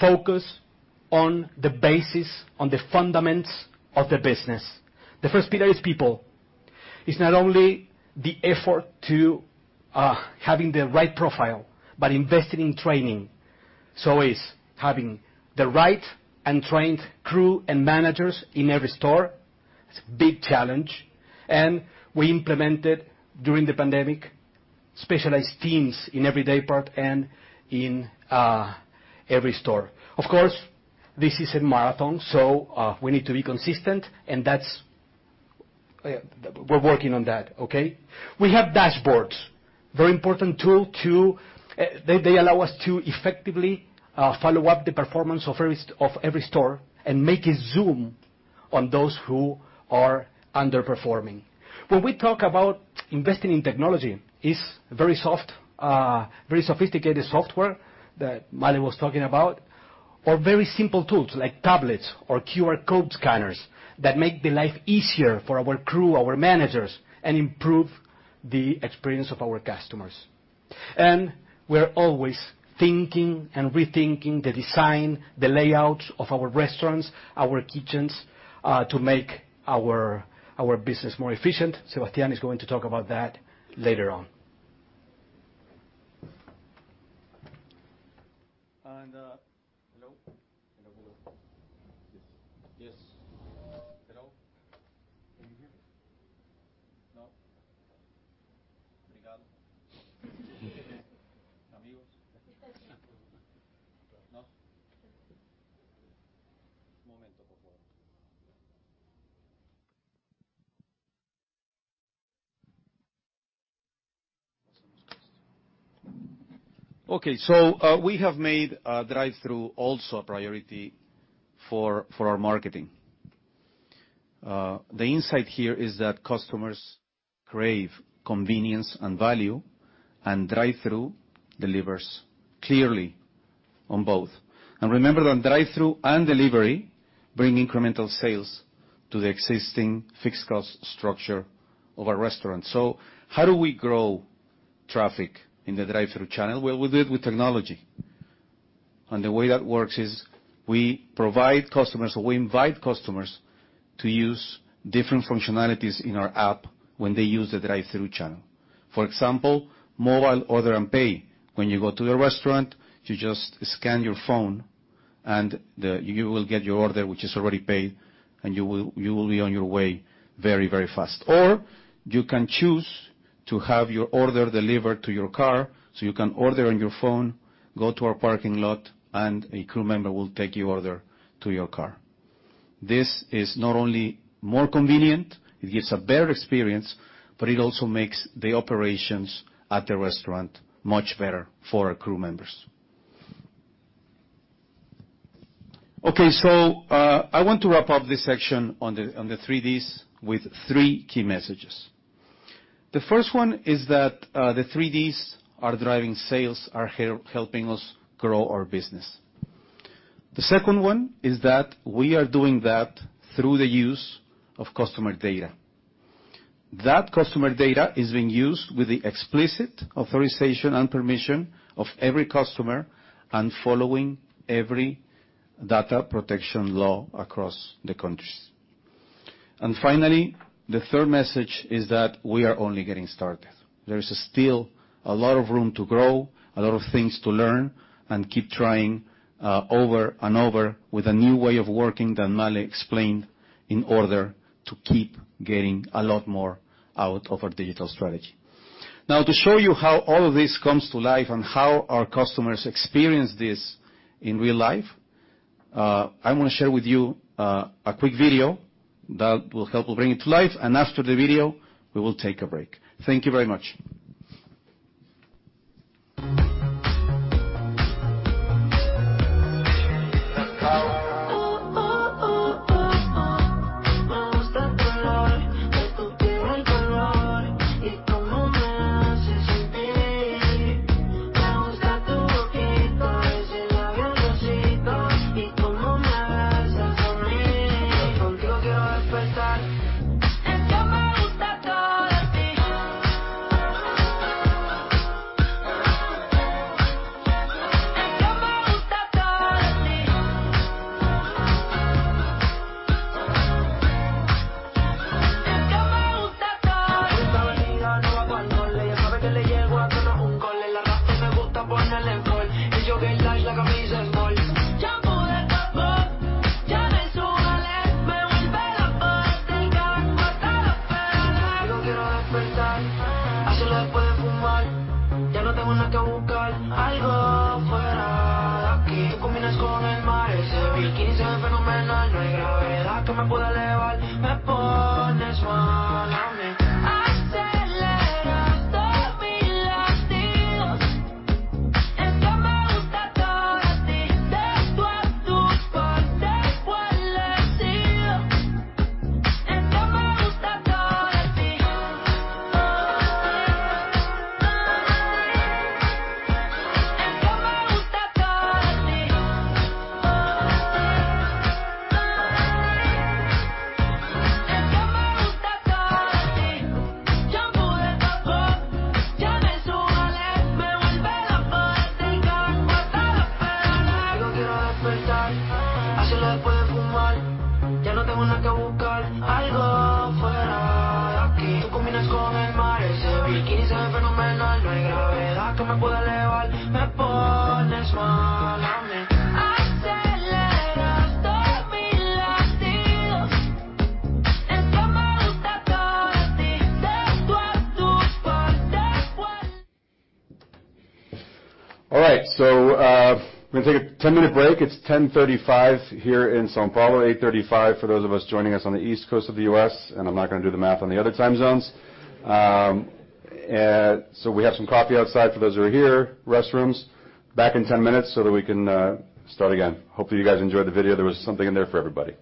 Focus on the basis, on the fundamentals of the business. The first pillar is people. It's not only the effort to having the right profile, but investing in training. It's having the right and trained crew and managers in every store. It's a big challenge. We implemented, during the pandemic, specialized teams in every department and in every store. Of course, this is a marathon, so we need to be consistent and that's. We're working on that, okay? We have dashboards. Very important tool, too. They allow us to effectively follow up the performance of every store and make a zoom on those who are underperforming. When we talk about investing in technology, it's very soft, very sophisticated software that Male was talking about, or very simple tools like tablets or QR code scanners that make the life easier for our crew, our managers, and improve the experience of our customers. We're always thinking and rethinking the design, the layout of our restaurants, our kitchens, to make our business more efficient. Sebastián is going to talk about that later on. Hello. Hello. Hello. Yes. Yes. Hello. Can you hear me? No? Obrigado. Amigos. No? Un momento, por favor. Okay. We have made drive-thru also a priority for our marketing. The insight here is that customers crave convenience and value, and drive-thru delivers clearly on both. Remember that drive-thru and delivery bring incremental sales to the existing fixed cost structure of a restaurant. How do we grow traffic in the drive-thru channel? Well, we do it with technology. The way that works is we provide customers or we invite customers to use different functionalities in our app when they use the drive-thru channel. For example, Mobile Order and Pay. When you go to the restaurant, you just scan your phone, you will get your order, which is already paid, and you will be on your way very, very fast. You can choose to have your order delivered to your car, so you can order on your phone, go to our parking lot, and a crew member will take your order to your car. This is not only more convenient, it gives a better experience, but it also makes the operations at the restaurant much better for our crew members. I want to wrap up this section on the three Ds with three key messages. The first one is that the three Ds are driving sales, helping us grow our business. The second one is that we are doing that through the use of customer data. That customer data is being used with the explicit authorization and permission of every customer and following every data protection law across the countries. Finally, the third message is that we are only getting started. There is still a lot of room to grow, a lot of things to learn and keep trying over and over with a new way of working that Male explained in order to keep getting a lot more out of our digital strategy. Now, to show you how all of this comes to life and how our customers experience this in real life, I wanna share with you a quick video that will help bring it to life. After the video, we will take a break. Thank you very much. All right. We're gonna take a 10-minute break. It's 10:35 A.M. here in São Paulo, 8:35 A.M. for those of us joining us on the East Coast of the U.S. I'm not gonna do the math on the other time zones. We have some coffee outside for those who are here, restrooms. Back in 10 minutes so that we can start again. Hopefully, you guys enjoyed the video. There was something in there for everybody.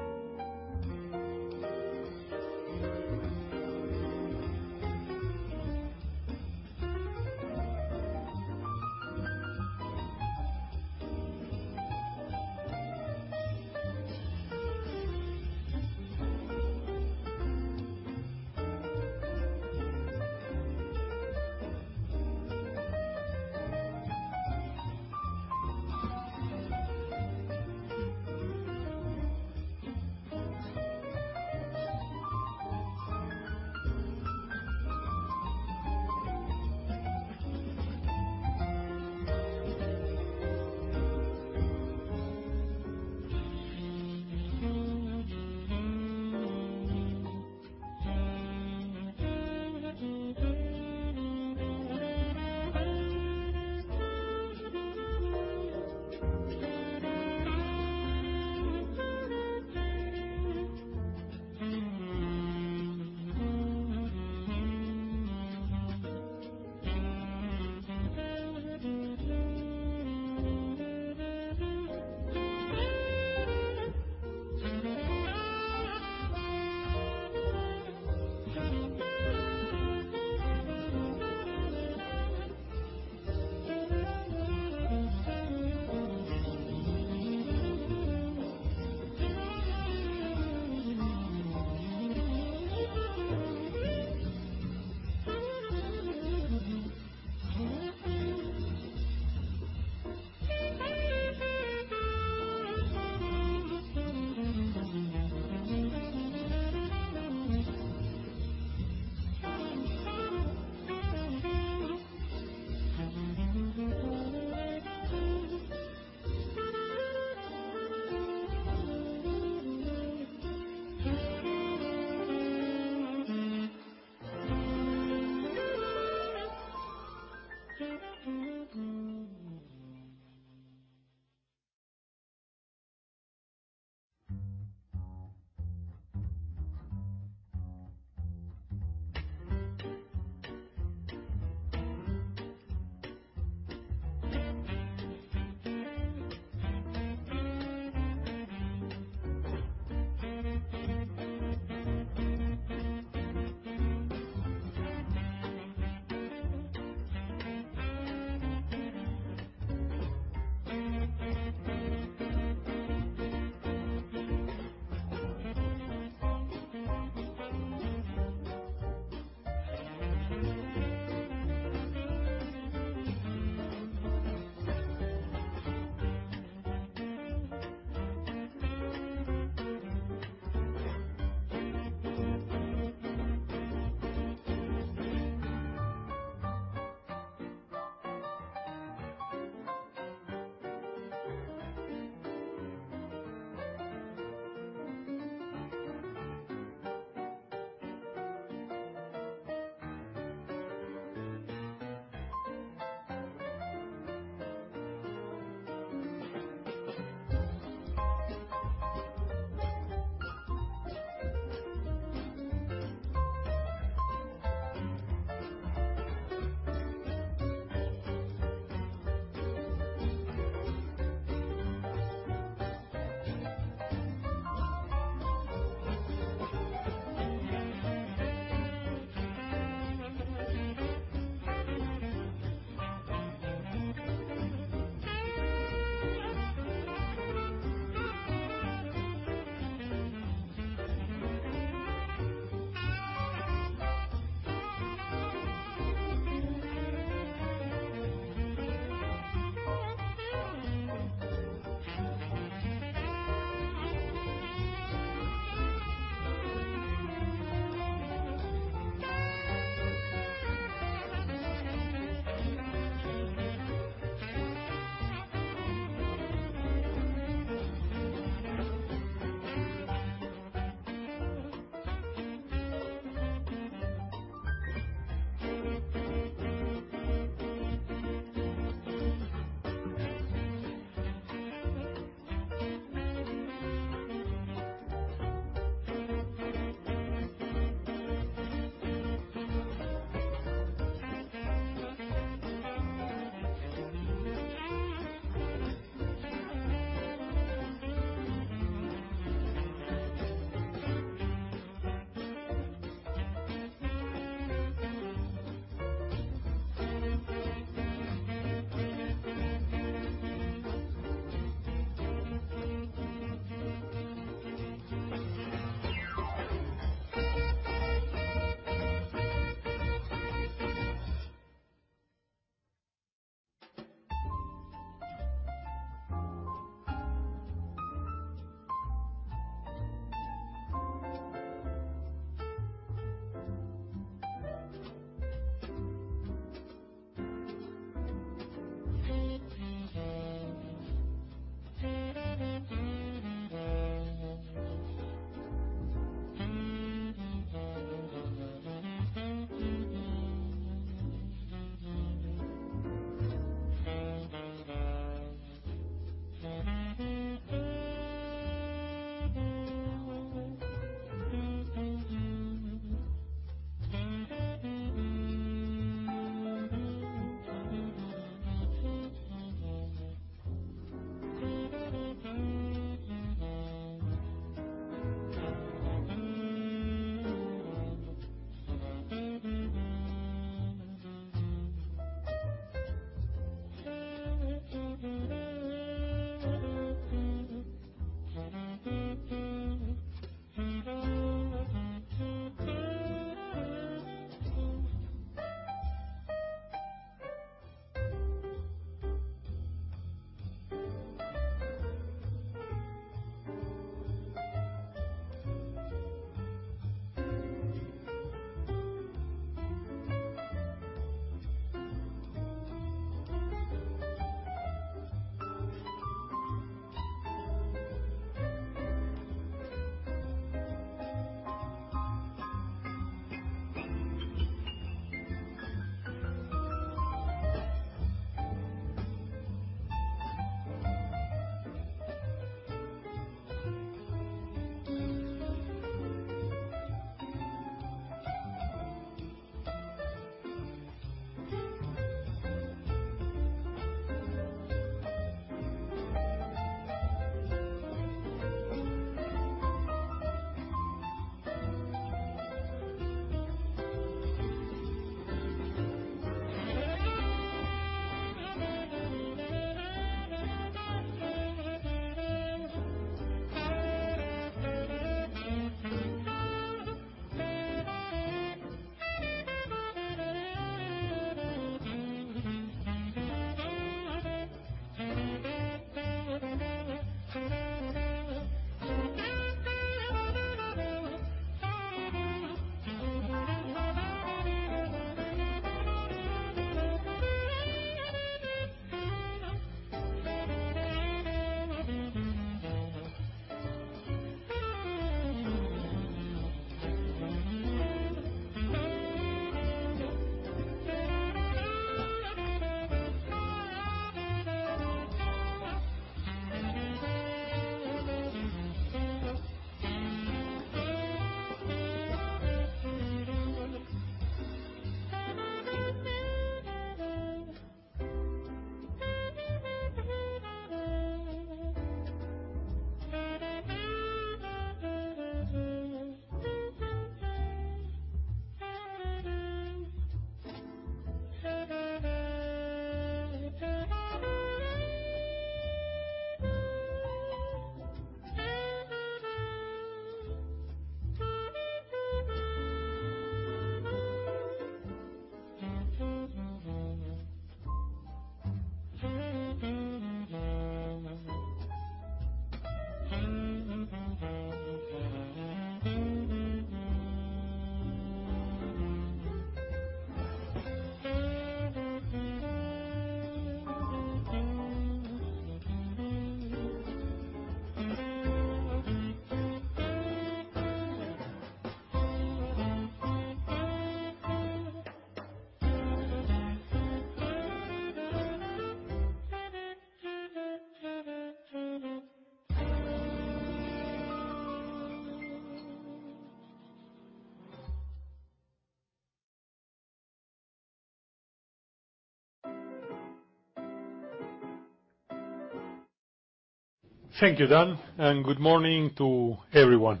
Thank you, Dan, and good morning to everyone.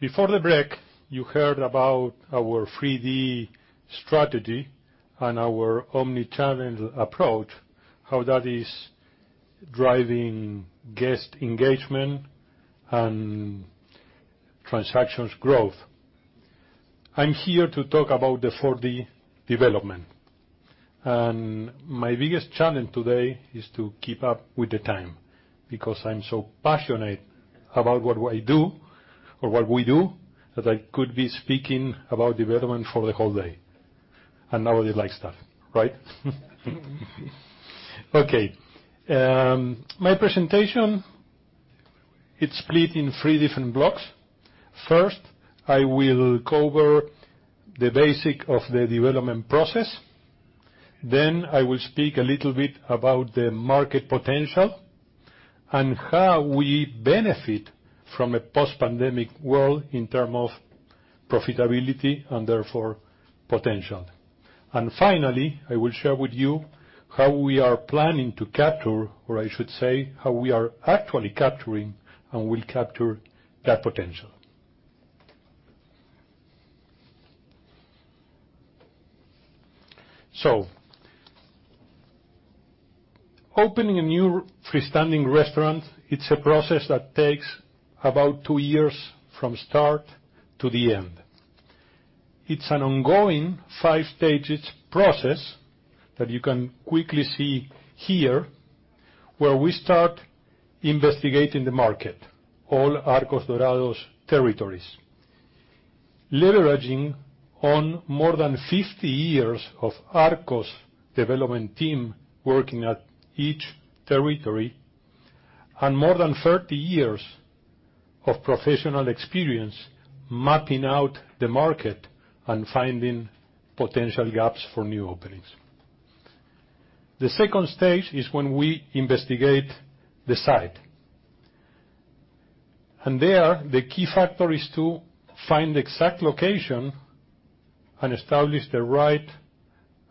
Before the break, you heard about our 3D strategy and our omnichannel approach, how that is driving guest engagement and transactions growth. I'm here to talk about the 4D development, and my biggest challenge today is to keep up with the time because I'm so passionate about what I do or what we do, that I could be speaking about development for the whole day, and nobody likes that, right? Okay, my presentation, it's split in three different blocks. First, I will cover the basic of the development process. I will speak a little bit about the market potential and how we benefit from a post-pandemic world in term of profitability and therefore potential. I will share with you how we are planning to capture, or I should say, how we are actually capturing and will capture that potential. Opening a new freestanding restaurant, it's a process that takes about two years from start to the end. It's an ongoing five stages process that you can quickly see here, where we start investigating the market, all Arcos Dorados territories. Leveraging on more than 50 years of Arcos development team working at each territory and more than 30 years of professional experience mapping out the market and finding potential gaps for new openings. The second stage is when we investigate the site. There, the key factor is to find the exact location and establish the right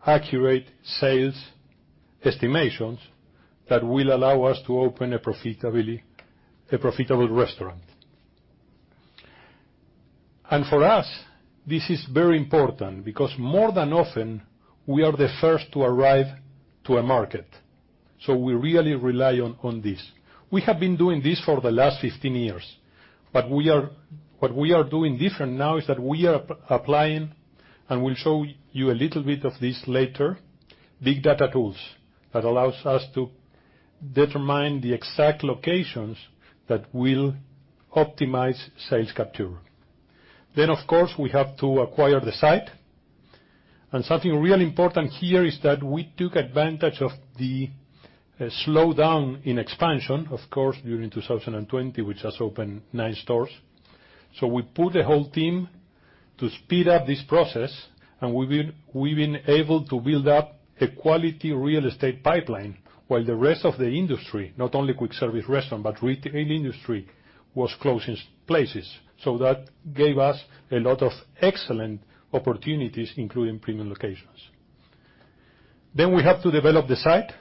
accurate sales estimations that will allow us to open a profitable restaurant. For us, this is very important because more than often, we are the first to arrive to a market, so we really rely on this. We have been doing this for the last 15 years, what we are doing different now is that we are applying, and we'll show you a little bit of this later, big data tools that allows us to determine the exact locations that will optimize sales capture. Of course, we have to acquire the site. Something really important here is that we took advantage of the slowdown in expansion, of course, during 2020, we just opened nine stores. We put the whole team to speed up this process, and we've been able to build up a quality real estate pipeline while the rest of the industry, not only quick service restaurant, but retail industry, was closing places. We have to develop the site,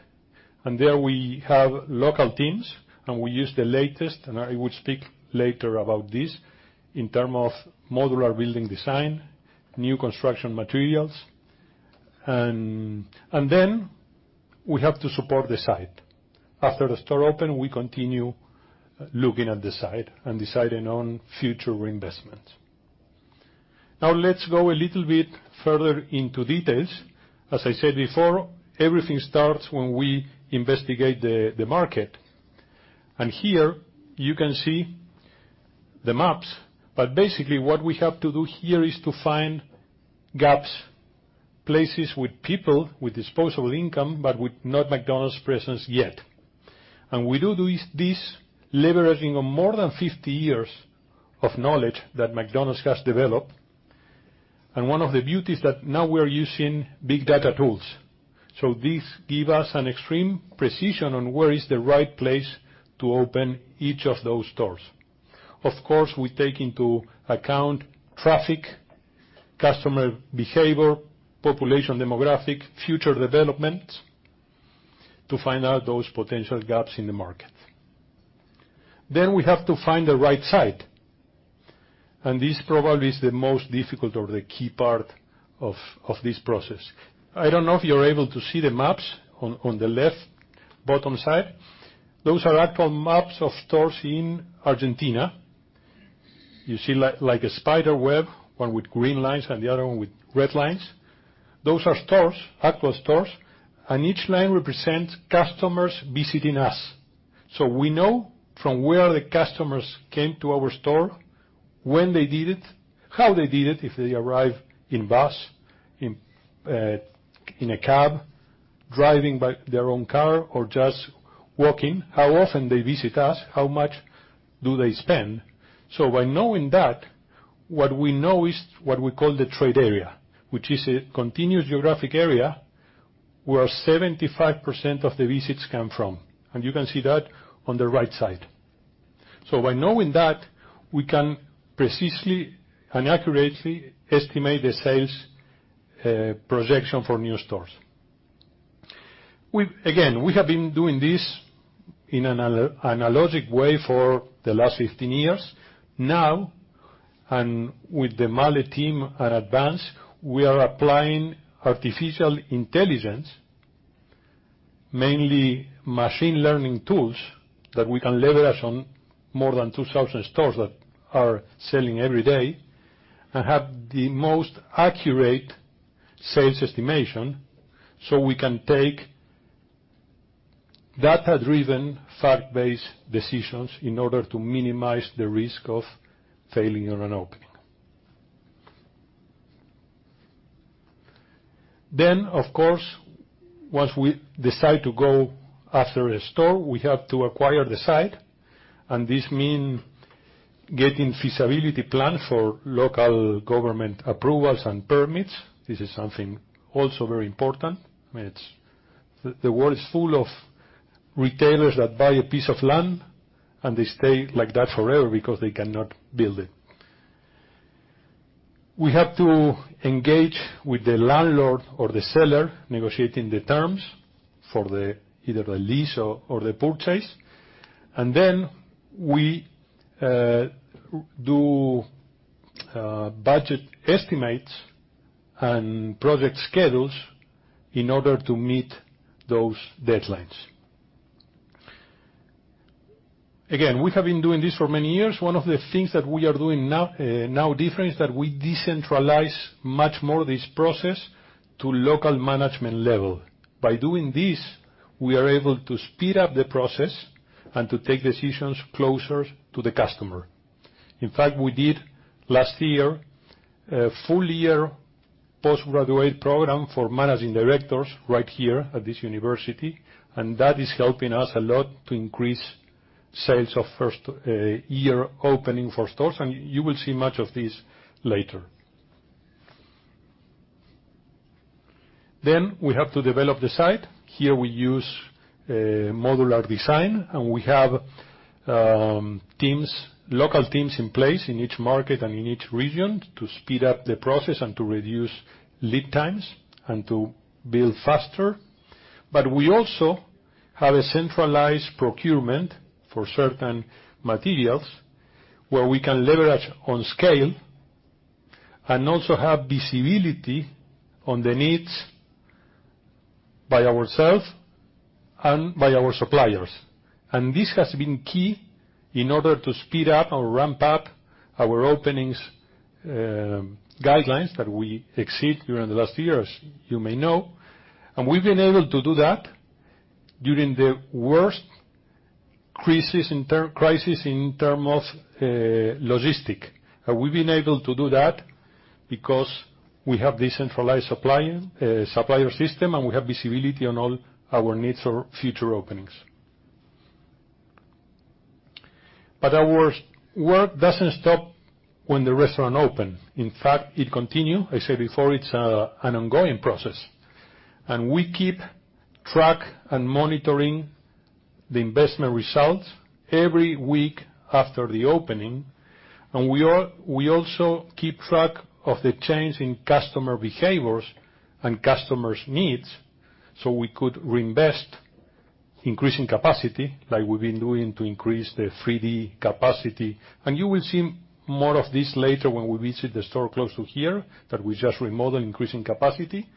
and there we have local teams, and we use the latest, and I will speak later about this, in terms of modular building design, new construction materials. We have to support the site. After the store open, we continue looking at the site and deciding on future reinvestments. Now let's go a little bit further into details. As I said before, everything starts when we investigate the market. Here, you can see the maps. Basically, what we have to do here is to find gaps, places with people with disposable income, but with not McDonald's presence yet. We do this leveraging on more than 50 years of knowledge that McDonald's has developed. One of the beauties that now we're using big data tools. This give us an extreme precision on where is the right place to open each of those stores. Of course, we take into account traffic, customer behavior, population demographic, future development, to find out those potential gaps in the market. We have to find the right site. This probably is the most difficult or the key part of this process. I don't know if you're able to see the maps on the left bottom side. Those are actual maps of stores in Argentina. You see like a spider web, one with green lines and the other one with red lines. Those are stores, actual stores. Each line represents customers visiting us. We know from where the customers came to our store, when they did it, how they did it, if they arrive in bus, in a cab, driving by their own car or just walking, how often they visit us, how much do they spend. By knowing that, what we know is what we call the trade area, which is a continuous geographic area where 75% of the visits come from, and you can see that on the right side. By knowing that, we can precisely and accurately estimate the sales projection for new stores. Again, we have been doing this in an analogic way for the last 15 years. Now, with the Male team at ADvance, we are applying artificial intelligence, mainly machine learning tools that we can leverage on more than 2,000 stores that are selling every day and have the most accurate sales estimation. We can take data-driven, fact-based decisions in order to minimize the risk of failing on an opening. Of course, once we decide to go after a store, we have to acquire the site, and this mean getting feasibility plan for local government approvals and permits. This is something also very important. I mean, it's, the world is full of retailers that buy a piece of land, and they stay like that forever because they cannot build it. We have to engage with the landlord or the seller, negotiating the terms for either a lease or the purchase. We do budget estimates and project schedules in order to meet those deadlines. Again, we have been doing this for many years. One of the things that we are doing now different is that we decentralize much more this process to local management level. By doing this, we are able to speed up the process and to take decisions closer to the customer. In fact, we did last year, a full year postgraduate program for managing directors right here at this University, and that is helping us a lot to increase sales of first year opening for stores, and you will see much of this later. We have to develop the site. Here, we use modular design. We have teams, local teams in place in each market and in each region to speed up the process and to reduce lead times and to build faster. We also have a centralized procurement for certain materials where we can leverage on scale and also have visibility on the needs by ourselves and by our suppliers. This has been key in order to speed up or ramp up our openings guidelines that we exceed during the last year, as you may know. We've been able to do that during the worst crisis in term of logistics. We've been able to do that because we have decentralized supplier system, and we have visibility on all our needs or future openings. Our work doesn't stop when the restaurant open. In fact, it continues. I said before, it's an ongoing process. We keep track and monitoring the investment results every week after the opening. We also keep track of the change in customer behaviors and customers' needs, so we could reinvest, increasing capacity like we've been doing to increase the 3D capacity. You will see more of this later when we visit the store close to here that we just remodeled, increasing capacity,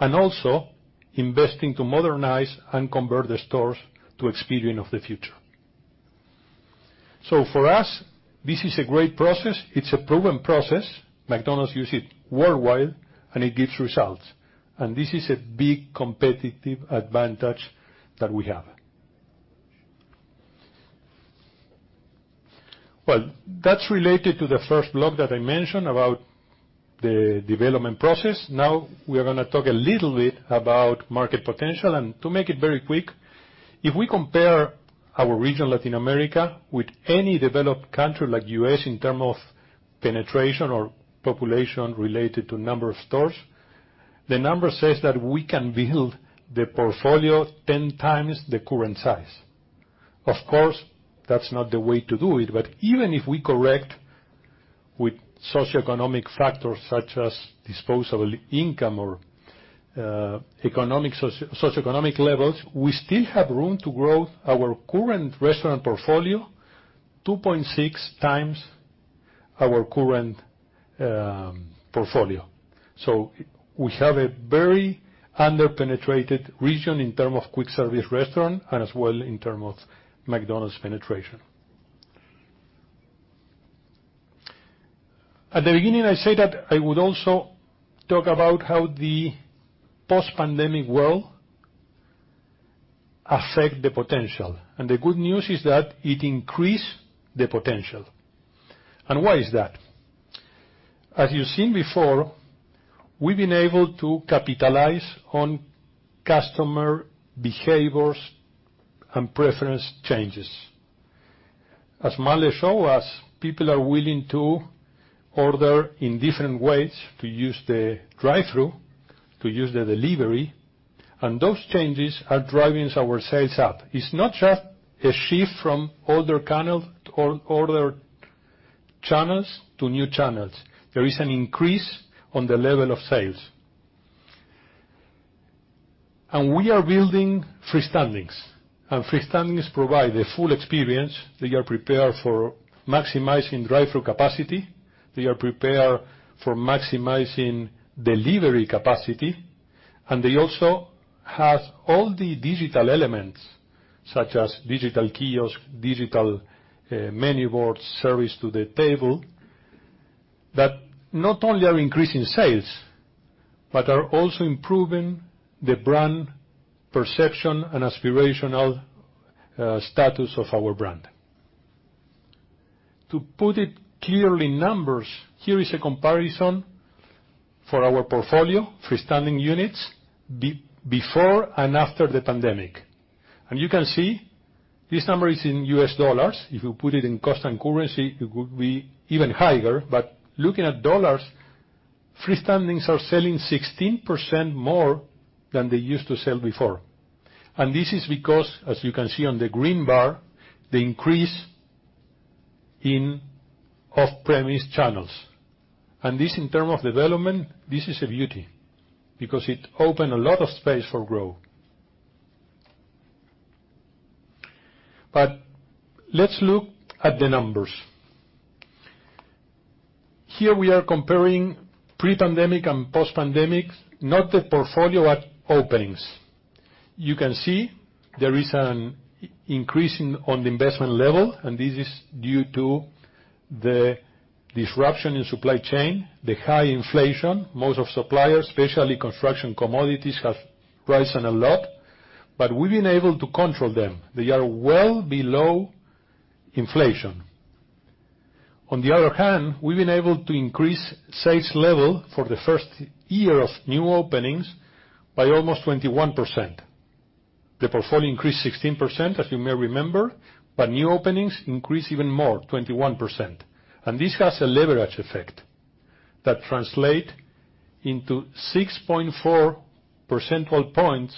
and also investing to modernize and convert the stores to Experience of the Future. For us, this is a great process. It's a proven process. McDonald's uses it worldwide, and it gives results. This is a big competitive advantage that we have. Well, that's related to the first block that I mentioned about the development process. Now we're gonna talk a little bit about market potential. To make it very quick, if we compare our region, Latin America, with any developed country like U.S. in term of penetration or population related to number of stores, the number says that we can build the portfolio 10x the current size. Of course, that's not the way to do it, even if we correct with socioeconomic factors such as disposable income or socioeconomic levels, we still have room to grow our current restaurant portfolio 2.6x our current portfolio. We have a very under-penetrated region in term of quick service restaurant and as well in term of McDonald's penetration. At the beginning, I say that I would also talk about how the post-pandemic world affect the potential. The good news is that it increase the potential. Why is that? As you've seen before, we've been able to capitalize on customer behaviors and preference changes. As Male show us, people are willing to order in different ways, to use the drive-thru, to use the delivery, and those changes are driving our sales up. It's not just a shift from older channels to new channels. There is an increase on the level of sales. We are building free standings, and free standings provide the full experience. They are prepared for maximizing drive-thru capacity, they are prepared for maximizing delivery capacity, and they also have all the digital elements, such as digital kiosk, digital menu board, service to the table, that not only are increasing sales, but are also improving the brand perception and aspirational status of our brand. To put it clear in numbers, here is a comparison for our portfolio, free standing units before and after the pandemic. You can see this number is in U.S. dollars. If you put it in cost and currency, it would be even higher. Looking at dollars, free standings are selling 16% more than they used to sell before. This is because, as you can see on the green bar, the increase in off-premise channels. This, in term of development, this is a beauty because it open a lot of space for growth. Let's look at the numbers. Here we are comparing pre-pandemic and post-pandemic, not the portfolio at openings. You can see there is an increase on the investment level, and this is due to the disruption in supply chain, the high inflation. Most of suppliers, especially construction commodities, have risen a lot. We've been able to control them. They are well below inflation. On the other hand, we've been able to increase sales level for the first year of new openings by almost 21%. The portfolio increased 16%, as you may remember. New openings increased even more, 21%. This has a leverage effect that translates into 6.4 percentage points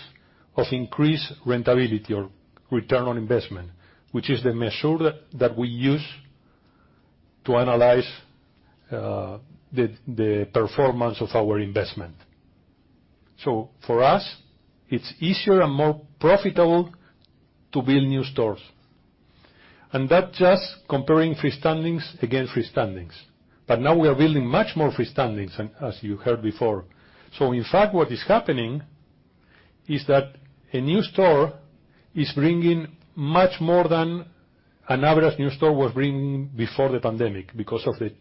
of increased profitability or return on investment, which is the measure that we use to analyze the performance of our investment. For us, it's easier and more profitable to build new stores, and that just comparing free standings against free standings. Now we are building much more free standings, as you heard before. In fact, what is happening is that a new store is bringing much more than an average new store was bringing before the pandemic because of the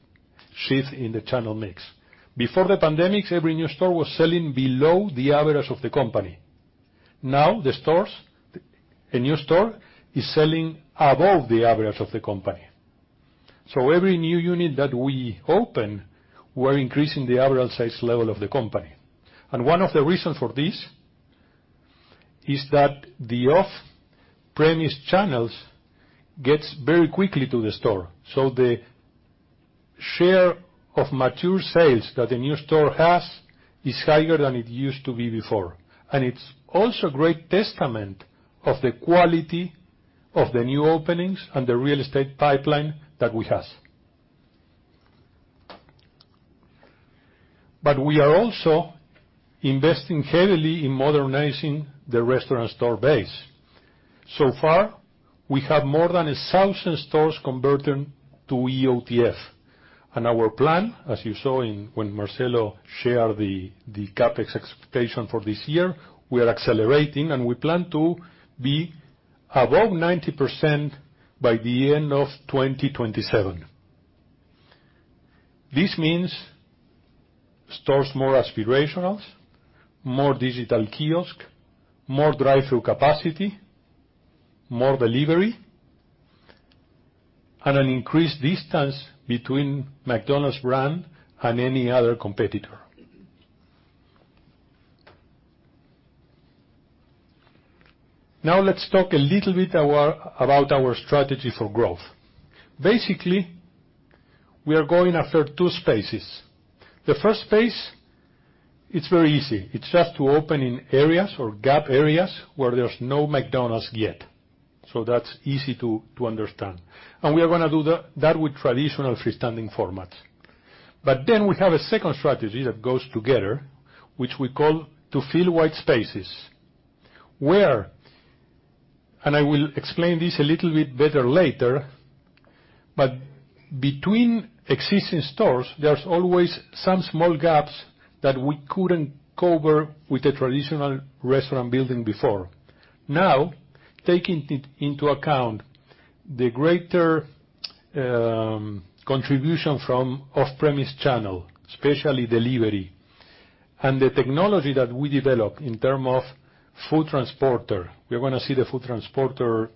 shift in the channel mix. Before the pandemic, every new store was selling below the average of the company. Now the stores, a new store is selling above the average of the company. Every new unit that we open, we're increasing the average sales level of the company. One of the reasons for this is that the off-premise channels gets very quickly to the store. The share of mature sales that a new store has is higher than it used to be before. It's also great testament of the quality of the new openings and the real estate pipeline that we have. We are also investing heavily in modernizing the restaurant store base. So far, we have more than 1,000 stores converted to EOTF. Our plan, as you saw when Marcelo share the CapEx expectation for this year, we are accelerating, and we plan to be above 90% by the end of 2027. This means stores more aspirationals, more digital kiosk, more drive-through capacity, more delivery, and an increased distance between McDonald's brand and any other competitor. Let's talk a little bit about our strategy for growth. Basically, we are going after two spaces. The first space, it's very easy. It's just to open in areas or gap areas where there's no McDonald's yet. That's easy to understand. We are gonna do that with traditional freestanding formats. We have a second strategy that goes together, which we call to fill white spaces, where, and I will explain this a little bit better later, but between existing stores, there's always some small gaps that we couldn't cover with the traditional restaurant building before. Taking it into account, the greater contribution from off-premise channel, especially delivery, and the technology that we developed in term of food transporter. We're gonna see the food transporter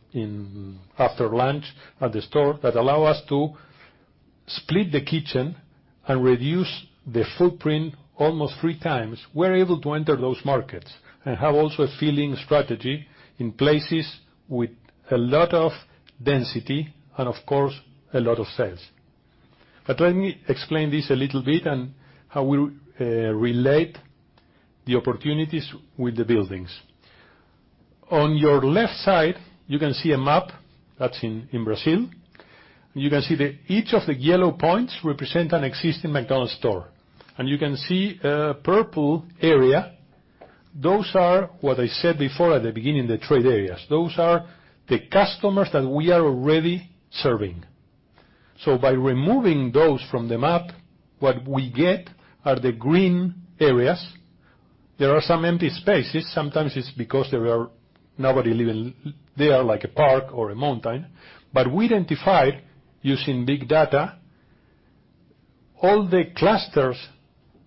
after lunch at the store that allow us to split the kitchen and reduce the footprint almost 3x. We're able to enter those markets and have also a filling strategy in places with a lot of density and, of course, a lot of sales. Let me explain this a little bit and how we relate the opportunities with the buildings. On your left side, you can see a map that's in Brazil. You can see each of the yellow points represent an existing McDonald's store. You can see a purple area. Those are what I said before at the beginning, the trade areas. Those are the customers that we are already serving. By removing those from the map, what we get are the green areas. There are some empty spaces. Sometimes it's because there are nobody living there, like a park or a mountain. We identified, using big data, all the clusters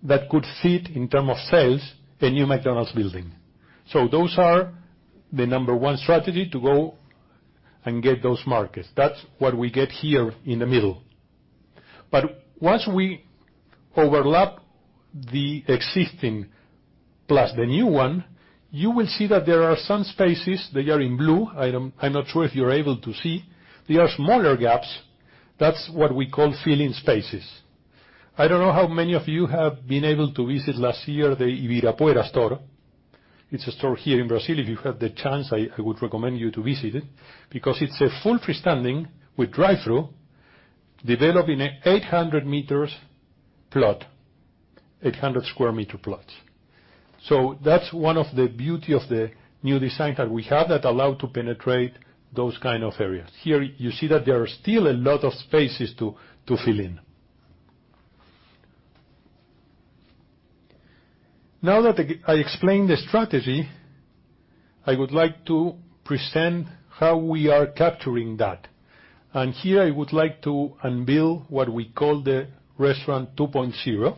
that could fit in terms of sales a new McDonald's building. Those are the number one strategy to go and get those markets. That's what we get here in the middle. Once we overlap the existing plus the new one, you will see that there are some spaces, they are in blue, I'm not sure if you're able to see. They are smaller gaps. That's what we call fill-in spaces. I don't know how many of you have been able to visit last year the Ibirapuera store. It's a store here in Brazil. If you have the chance, I would recommend you to visit it because it's a full freestanding with drive-through developed in a 800 meters plot, 800 sq meter plot. That's one of the beauty of the new design that we have that allow to penetrate those kind of areas. Here you see that there are still a lot of spaces to fill in. Now that I explained the strategy, I would like to present how we are capturing that. Here I would like to unveil what we call the Restaurant 2.0,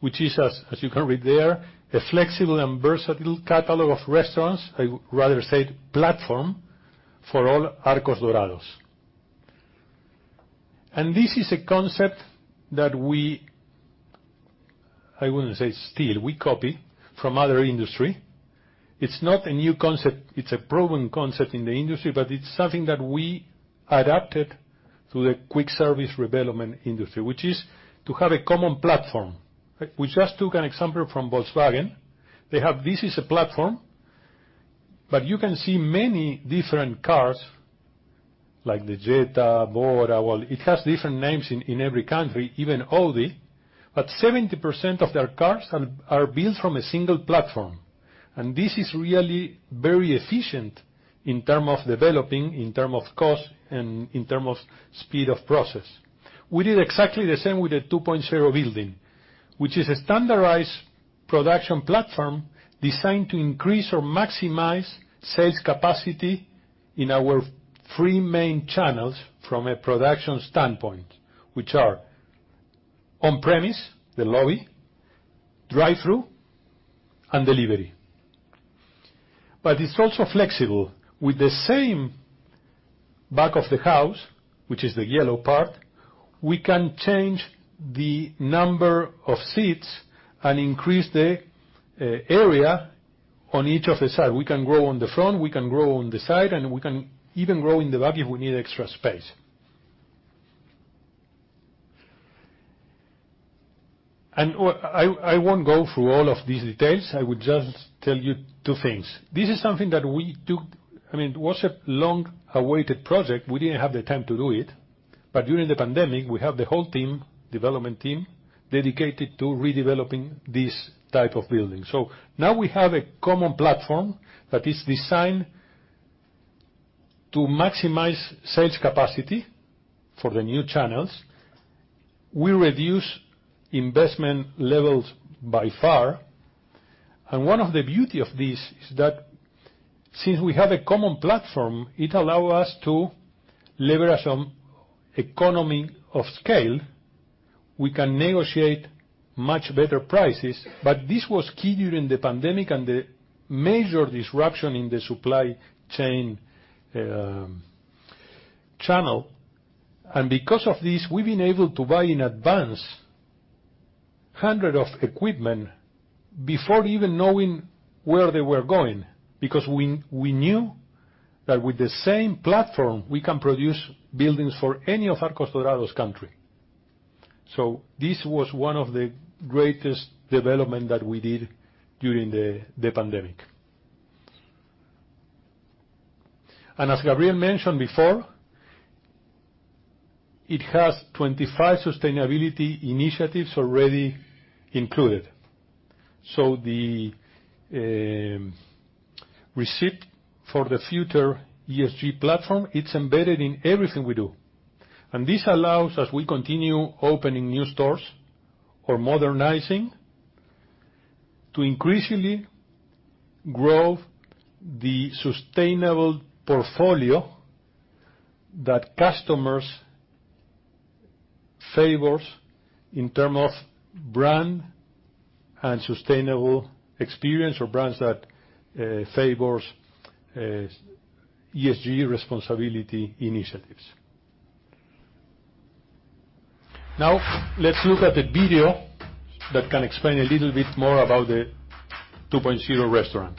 which is as you can read there, a flexible and versatile catalog of restaurants, I would rather say platform, for all Arcos Dorados. This is a concept that we, I wouldn't say steal, we copy from other industry. It's not a new concept. It's a proven concept in the industry, but it's something that we adapted to the quick service redevelopment industry, which is to have a common platform. We just took an example from Volkswagen. They have this is a platform, but you can see many different cars like the Jetta, Bora, well, it has different names in every country, even Audi, but 70% of their cars are built from a single platform. This is really very efficient in term of developing, in term of cost, and in term of speed of process. We did exactly the same with the Restaurant 2.0 building, which is a standardized production platform designed to increase or maximize sales capacity in our three main channels from a production standpoint, which are on-premise, the lobby, drive-through, and delivery. It's also flexible. With the same back of the house, which is the yellow part, we can change the number of seats and increase the area on each of the side. We can grow on the front, we can grow on the side, and we can even grow in the back if we need extra space. Well, I won't go through all of these details. I would just tell you two things. This is something that we took. I mean, it was a long-awaited project. We didn't have the time to do it. During the pandemic, we have the whole team, development team, dedicated to redeveloping this type of building. Now we have a common platform that is designed to maximize sales capacity for the new channels, we reduce investment levels by far. One of the beauty of this is that since we have a common platform, it allow us to leverage on economy of scale. We can negotiate much better prices. This was key during the pandemic and the major disruption in the supply chain channel. Because of this, we've been able to buy in advance hundreds of equipment before even knowing where they were going, because we knew that with the same platform, we can produce buildings for any of Arcos Dorados country. This was one of the greatest development that we did during the pandemic. As Gabriel mentioned before, it has 25 sustainability initiatives already included. The Recipe for the Future ESG platform, it's embedded in everything we do. This allows, as we continue opening new stores or modernizing, to increasingly grow the sustainable portfolio that customers favors in term of brand and sustainable experience or brands that favors ESG responsibility initiatives. Let's look at the video that can explain a little bit more about the Restaurant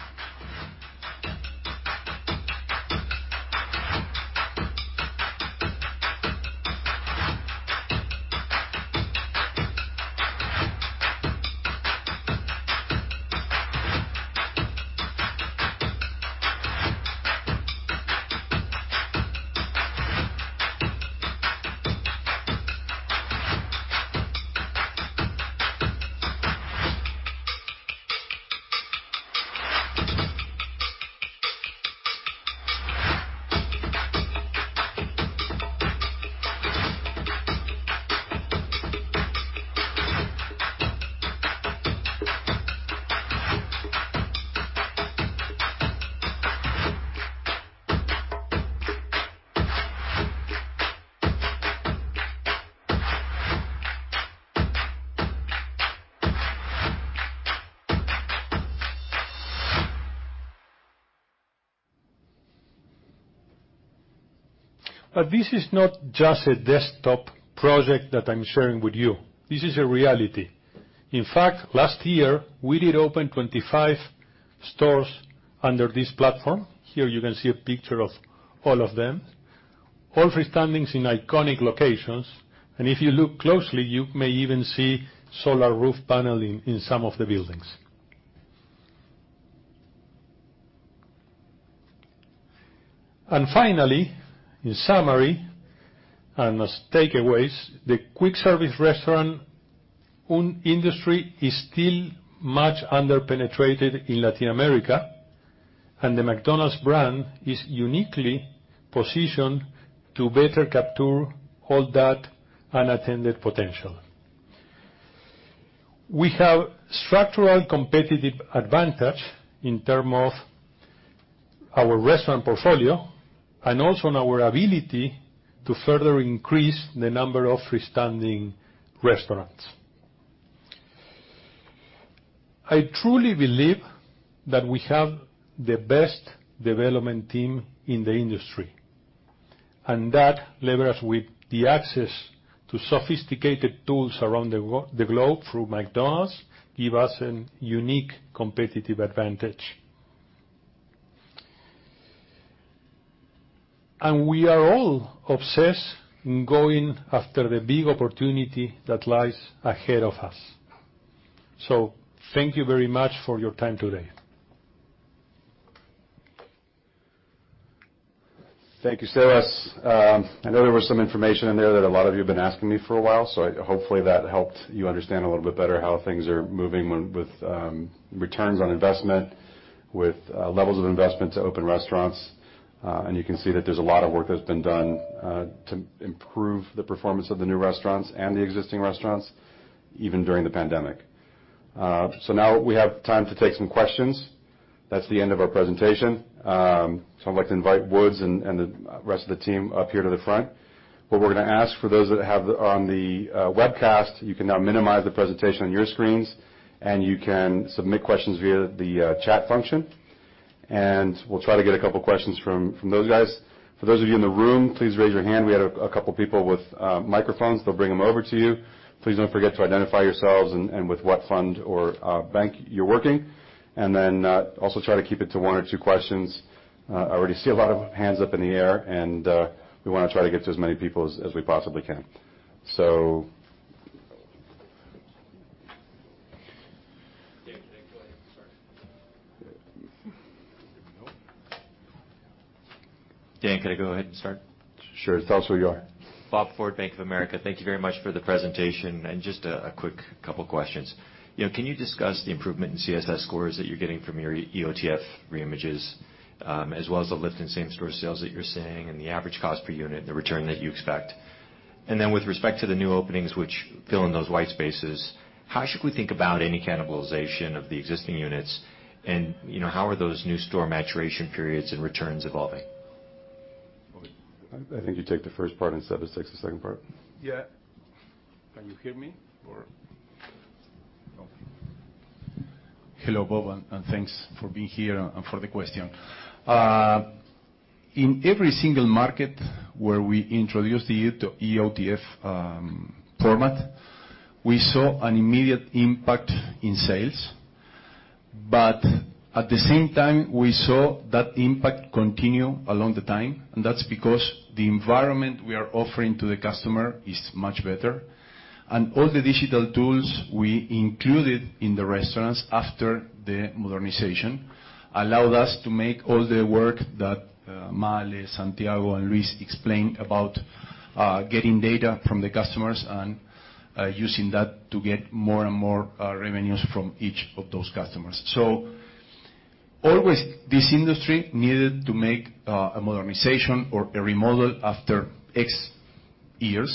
2.0. This is not just a desktop project that I'm sharing with you. This is a reality. In fact, last year, we did open 25 stores under this platform. Here you can see a picture of all of them, all free standings in iconic locations. If you look closely, you may even see solar roof panel in some of the buildings. Finally, in summary, as takeaways, the quick service restaurant industry is still much under penetrated in Latin America, the McDonald's brand is uniquely positioned to better capture all that unattended potential. We have structural competitive advantage in terms of our restaurant portfolio and also in our ability to further increase the number of free-standing restaurants. I truly believe that we have the best development team in the industry, that levers with the access to sophisticated tools around the globe through McDonald's give us a unique competitive advantage. We are all obsessed in going after the big opportunity that lies ahead of us. Thank you very much for your time today. Thank you, Sebastián. I know there was some information in there that a lot of you have been asking me for a while, so hopefully that helped you understand a little bit better how things are moving with returns on investment, with levels of investment to open restaurants. You can see that there's a lot of work that's been done to improve the performance of the new restaurants and the existing restaurants, even during the pandemic. Now we have time to take some questions. That's the end of our presentation. I'd like to invite Woods and the rest of the team up here to the front. What we're gonna ask for those that have on the webcast, you can now minimize the presentation on your screens, and you can submit questions via the chat function. We'll try to get a couple of questions from those guys. For those of you in the room, please raise your hand. We had a couple of people with microphones. They'll bring them over to you. Please don't forget to identify yourselves and with what fund or bank you're working. Also try to keep it to one or two questions. I already see a lot of hands up in the air, and we wanna try to get to as many people as we possibly can. Dan, can I go ahead and start? Here we go. Dan, could I go ahead and start? Sure. Tell us who you are. Bob Ford, Bank of America. Thank you very much for the presentation. Just a quick couple questions. You know, can you discuss the improvement in CSS scores that you're getting from your EOTF re-images, as well as the lift in same store sales that you're seeing and the average cost per unit and the return that you expect? Then with respect to the new openings which fill in those white spaces, how should we think about any cannibalization of the existing units? You know, how are those new store maturation periods and returns evolving? I think you take the first part and Serber takes the second part. Yeah. Can you hear me or? Okay. Hello, Bob, and thanks for being here and for the question. In every single market where we introduced the EOTF format, we saw an immediate impact in sales. At the same time, we saw that impact continue along the time, and that's because the environment we are offering to the customer is much better. All the digital tools we included in the restaurants after the modernization allowed us to make all the work that Male, Santiago, and Luis explained about getting data from the customers and using that to get more and more revenues from each of those customers. Always this industry needed to make a modernization or a remodel after X years.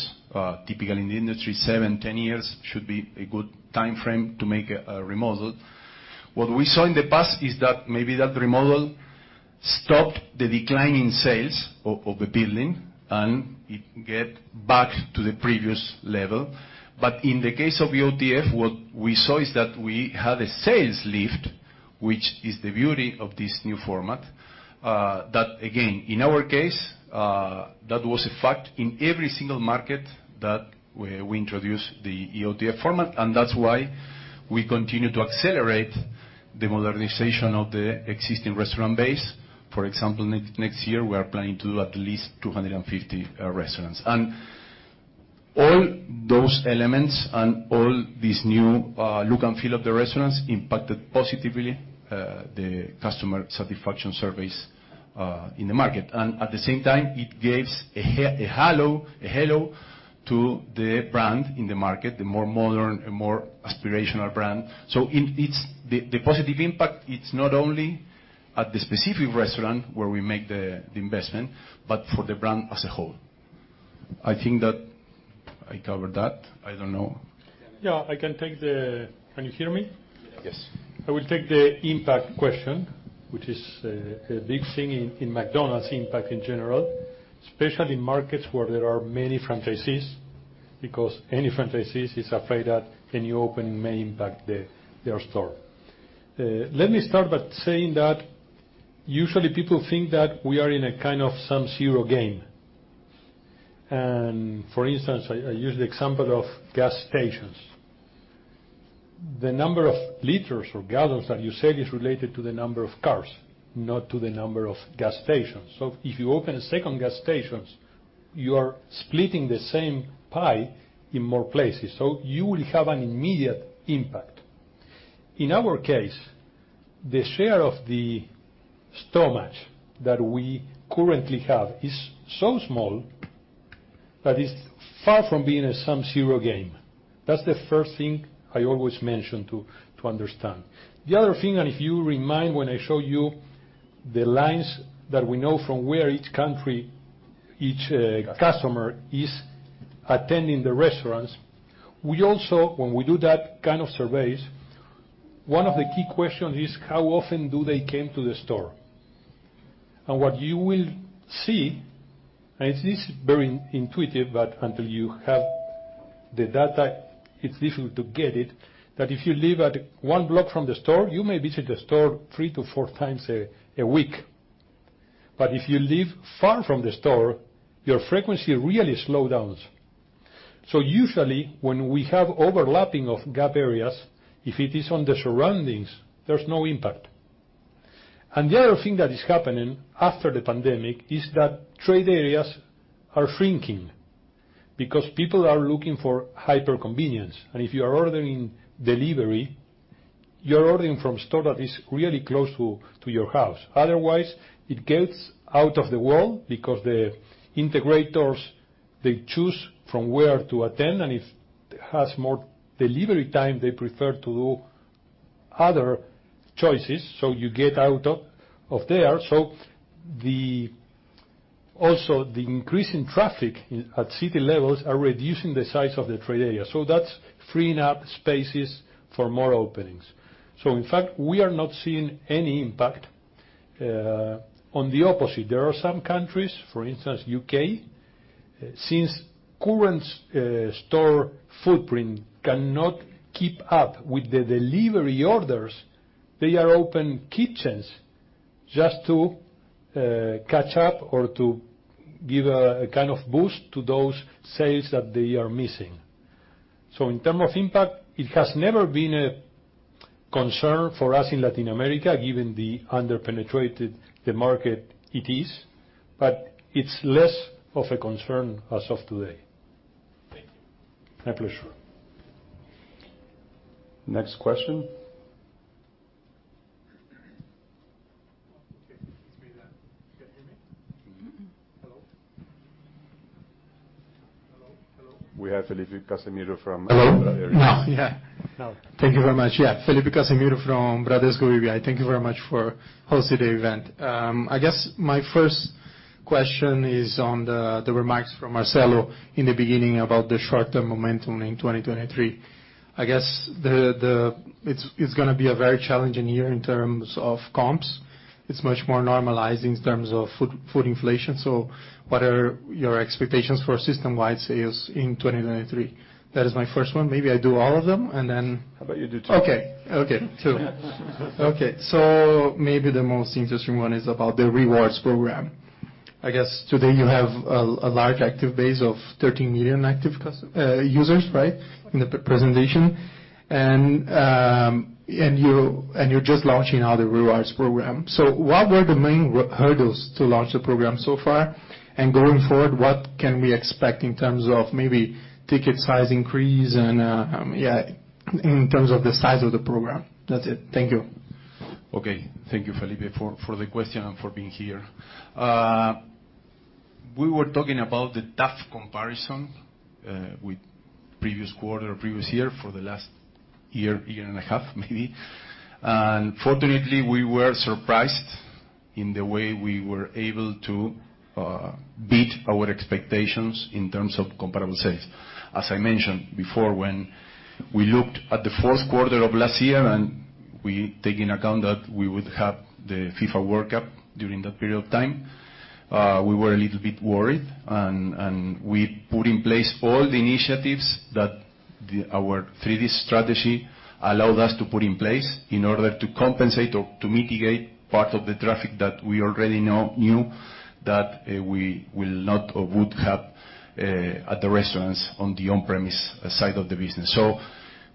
Typically in the industry, seven, 10 years should be a good timeframe to make a remodel. What we saw in the past is that maybe that remodel stopped the decline in sales of a building, and it get back to the previous level. In the case of EOTF, what we saw is that we had a sales lift, which is the beauty of this new format. That again, in our case, that was a fact in every single market that we introduced the EOTF format, and that's why we continue to accelerate the modernization of the existing restaurant base. For example, next year, we are planning to do at least 250 restaurants. All those elements and all this new look and feel of the restaurants impacted positively the customer satisfaction surveys in the market. At the same time, it gives a halo to the brand in the market, the more modern and more aspirational brand. The positive impact, it's not only at the specific restaurant where we make the investment, but for the brand as a whole. I think that I covered that. I don't know. Yeah, I can take the, can you hear me? Yes. I will take the impact question, which is a big thing in McDonald's, impact in general, especially in markets where there are many franchisees, because any franchisees is afraid that any opening may impact their store. Let me start by saying that usually people think that we are in a kind of sum zero game. For instance, I use the example of gas stations. The number of liters or gallons that you sell is related to the number of cars, not to the number of gas stations. If you open a second gas stations, you are splitting the same pie in more places, so you will have an immediate impact. In our case, the share of the stomach that we currently have is so small that it's far from being a sum zero game. That's the first thing I always mention to understand. The other thing, if you remind when I show you the lines that we know from where each country, each customer is attending the restaurants, we also, when we do that kind of surveys, one of the key question is how often do they came to the store? What you will see, and it is very intuitive, but until you have the data, it's difficult to get it, that if you live at one block from the store, you may visit the store three to four times a week. If you live far from the store, your frequency really slow downs. Usually when we have overlapping of gap areas, if it is on the surroundings, there's no impact. The other thing that is happening after the pandemic is that trade areas are shrinking because people are looking for hyper convenience. If you are ordering delivery, you're ordering from store that is really close to your house. Otherwise, it gets out of the wall because the integrators, they choose from where to attend, and if it has more delivery time, they prefer to other choices, so you get out of there. Also, the increase in traffic in, at city levels are reducing the size of the trade area. That's freeing up spaces for more openings. In fact, we are not seeing any impact. On the opposite, there are some countries, for instance, U.K., since current store footprint cannot keep up with the delivery orders, they are open kitchens just to catch up or to give a kind of boost to those sales that they are missing. In term of impact, it has never been a concern for us in Latin America, given the under-penetrated the market it is, but it's less of a concern as of today. Thank you. My pleasure. Next question? Okay. It's me then. Can you hear me? Mm-hmm. Hello? We have Felipe Cassimiro from Bradesco. Hello. No, thank you very much. Felipe Cassimiro from Bradesco BBI. Thank you very much for hosting the event. I guess my first question is on the remarks from Marcelo in the beginning about the short-term momentum in 2023. I guess it's gonna be a very challenging year in terms of comps. It's much more normalized in terms of food inflation. What are your expectations for system-wide sales in 2023? That is my first one. Maybe I do all of them and then? How about you do two? Okay. Okay. Two. Maybe the most interesting one is about the rewards program. I guess today you have a large active base of 13 million active users, right? In the presentation. You're just launching now the rewards program. What were the main hurdles to launch the program so far? Going forward, what can we expect in terms of maybe ticket size increase and, yeah, in terms of the size of the program? That's it. Thank you. Thank you, Felipe, for the question and for being here. We were talking about the tough comparison with previous quarter, previous year, for the last year and a half, maybe. Fortunately, we were surprised in the way we were able to beat our expectations in terms of comparable sales. As I mentioned before, when we looked at the fourth quarter of last year and we take into account that we would have the FIFA World Cup during that period of time, we were a little bit worried and we put in place all the initiatives that our 3D strategy allowed us to put in place in order to compensate or to mitigate part of the traffic that we already knew that we will not or would have at the restaurants on the on-premise side of the business.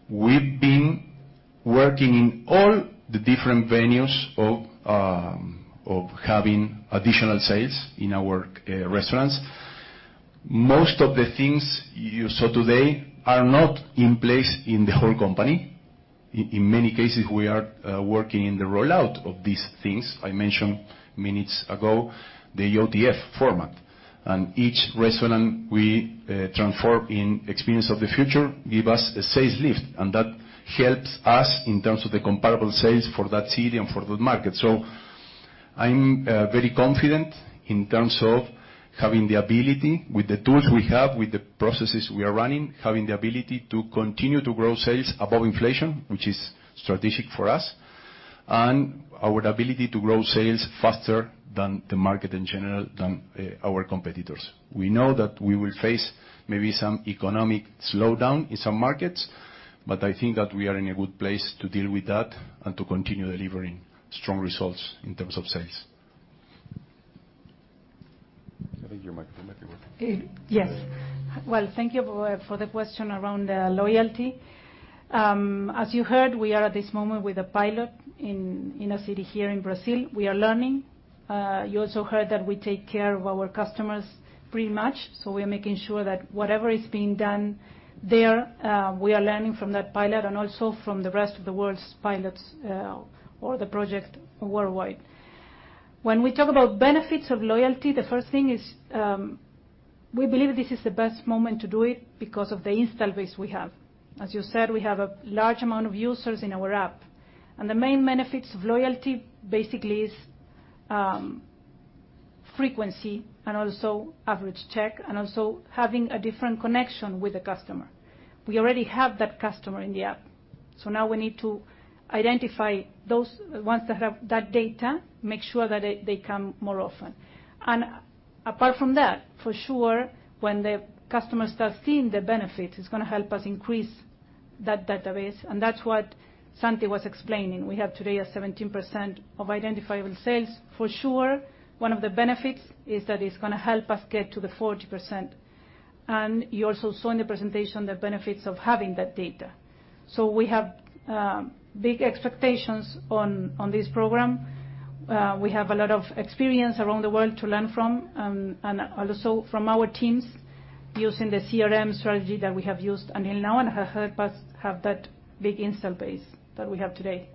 We've been working in all the different venues of having additional sales in our restaurants. Most of the things you saw today are not in place in the whole company. In many cases, we are working in the rollout of these things. I mentioned minutes ago the EOTF format. Each restaurant we transform in Experience of the Future give us a sales lift, and that helps us in terms of the comparable sales for that city and for the market. I'm very confident in terms of having the ability with the tools we have, with the processes we are running, having the ability to continue to grow sales above inflation, which is strategic for us. Our ability to grow sales faster than the market in general than our competitors. We know that we will face maybe some economic slowdown in some markets, I think that we are in a good place to deal with that and to continue delivering strong results in terms of sales. I think your mic isn't working. Yes. Well, thank you for the question around loyalty. As you heard, we are at this moment with a pilot in a city here in Brazil. We are learning. You also heard that we take care of our customers pretty much, so we are making sure that whatever is being done there, we are learning from that pilot and also from the rest of the world's pilots or the project worldwide. When we talk about benefits of loyalty, the first thing is, we believe this is the best moment to do it because of the install base we have. As you said, we have a large amount of users in our app, and the main benefits of loyalty basically is frequency and also average check, and also having a different connection with the customer. We already have that customer in the app, so now we need to identify those ones that have that data, make sure that they come more often. Apart from that, for sure, when the customers start seeing the benefits, it's gonna help us increase that database, and that's what Santi was explaining. We have today a 17% of identifiable sales. For sure, one of the benefits is that it's gonna help us get to the 40%. You also saw in the presentation the benefits of having that data. We have big expectations on this program. We have a lot of experience around the world to learn from, and also from our teams using the CRM strategy that we have used until now and have helped us have that big install base that we have today.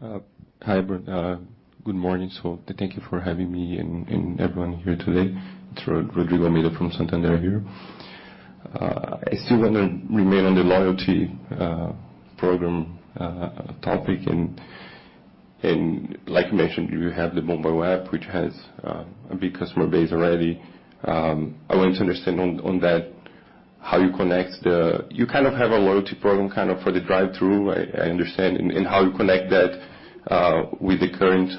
Hi. Good morning. Thank you for having me and everyone here today. It's Rodrigo Almeida from Santander here. I still wanna remain on the loyalty program topic. Like you mentioned, you have the Mobile app, which has a big customer base already. I want to understand on that, how you connect. You kind of have a loyalty program kind of for the drive-through, I understand, and how you connect that with the current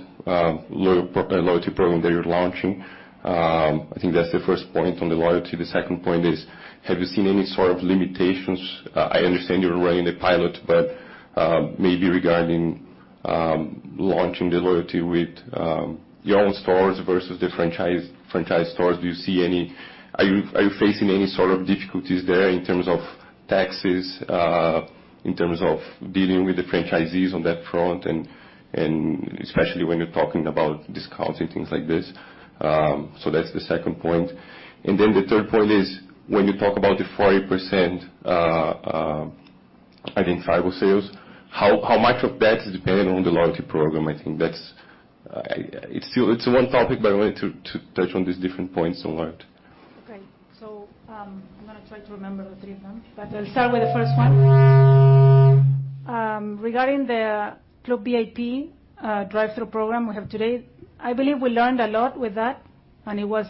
loyalty program that you're launching. I think that's the first point on the loyalty. The second point is, have you seen any sort of limitations? I understand you're running a pilot, but maybe regarding launching the loyalty with your own stores versus the franchise stores. Do you see any. Are you facing any sort of difficulties there in terms of taxes, in terms of dealing with the franchisees on that front and especially when you're talking about discounts and things like this? That's the second point. The third point is, when you talk about the 40%. Against tribal sales. How much of that is dependent on the loyalty program? I think that's, it's still, it's one topic, but I wanted to touch on these different points on that. I'm gonna try to remember the three of them, but I'll start with the first one. Regarding the Club VIP, drive-thru program we have today, I believe we learned a lot with that, and it was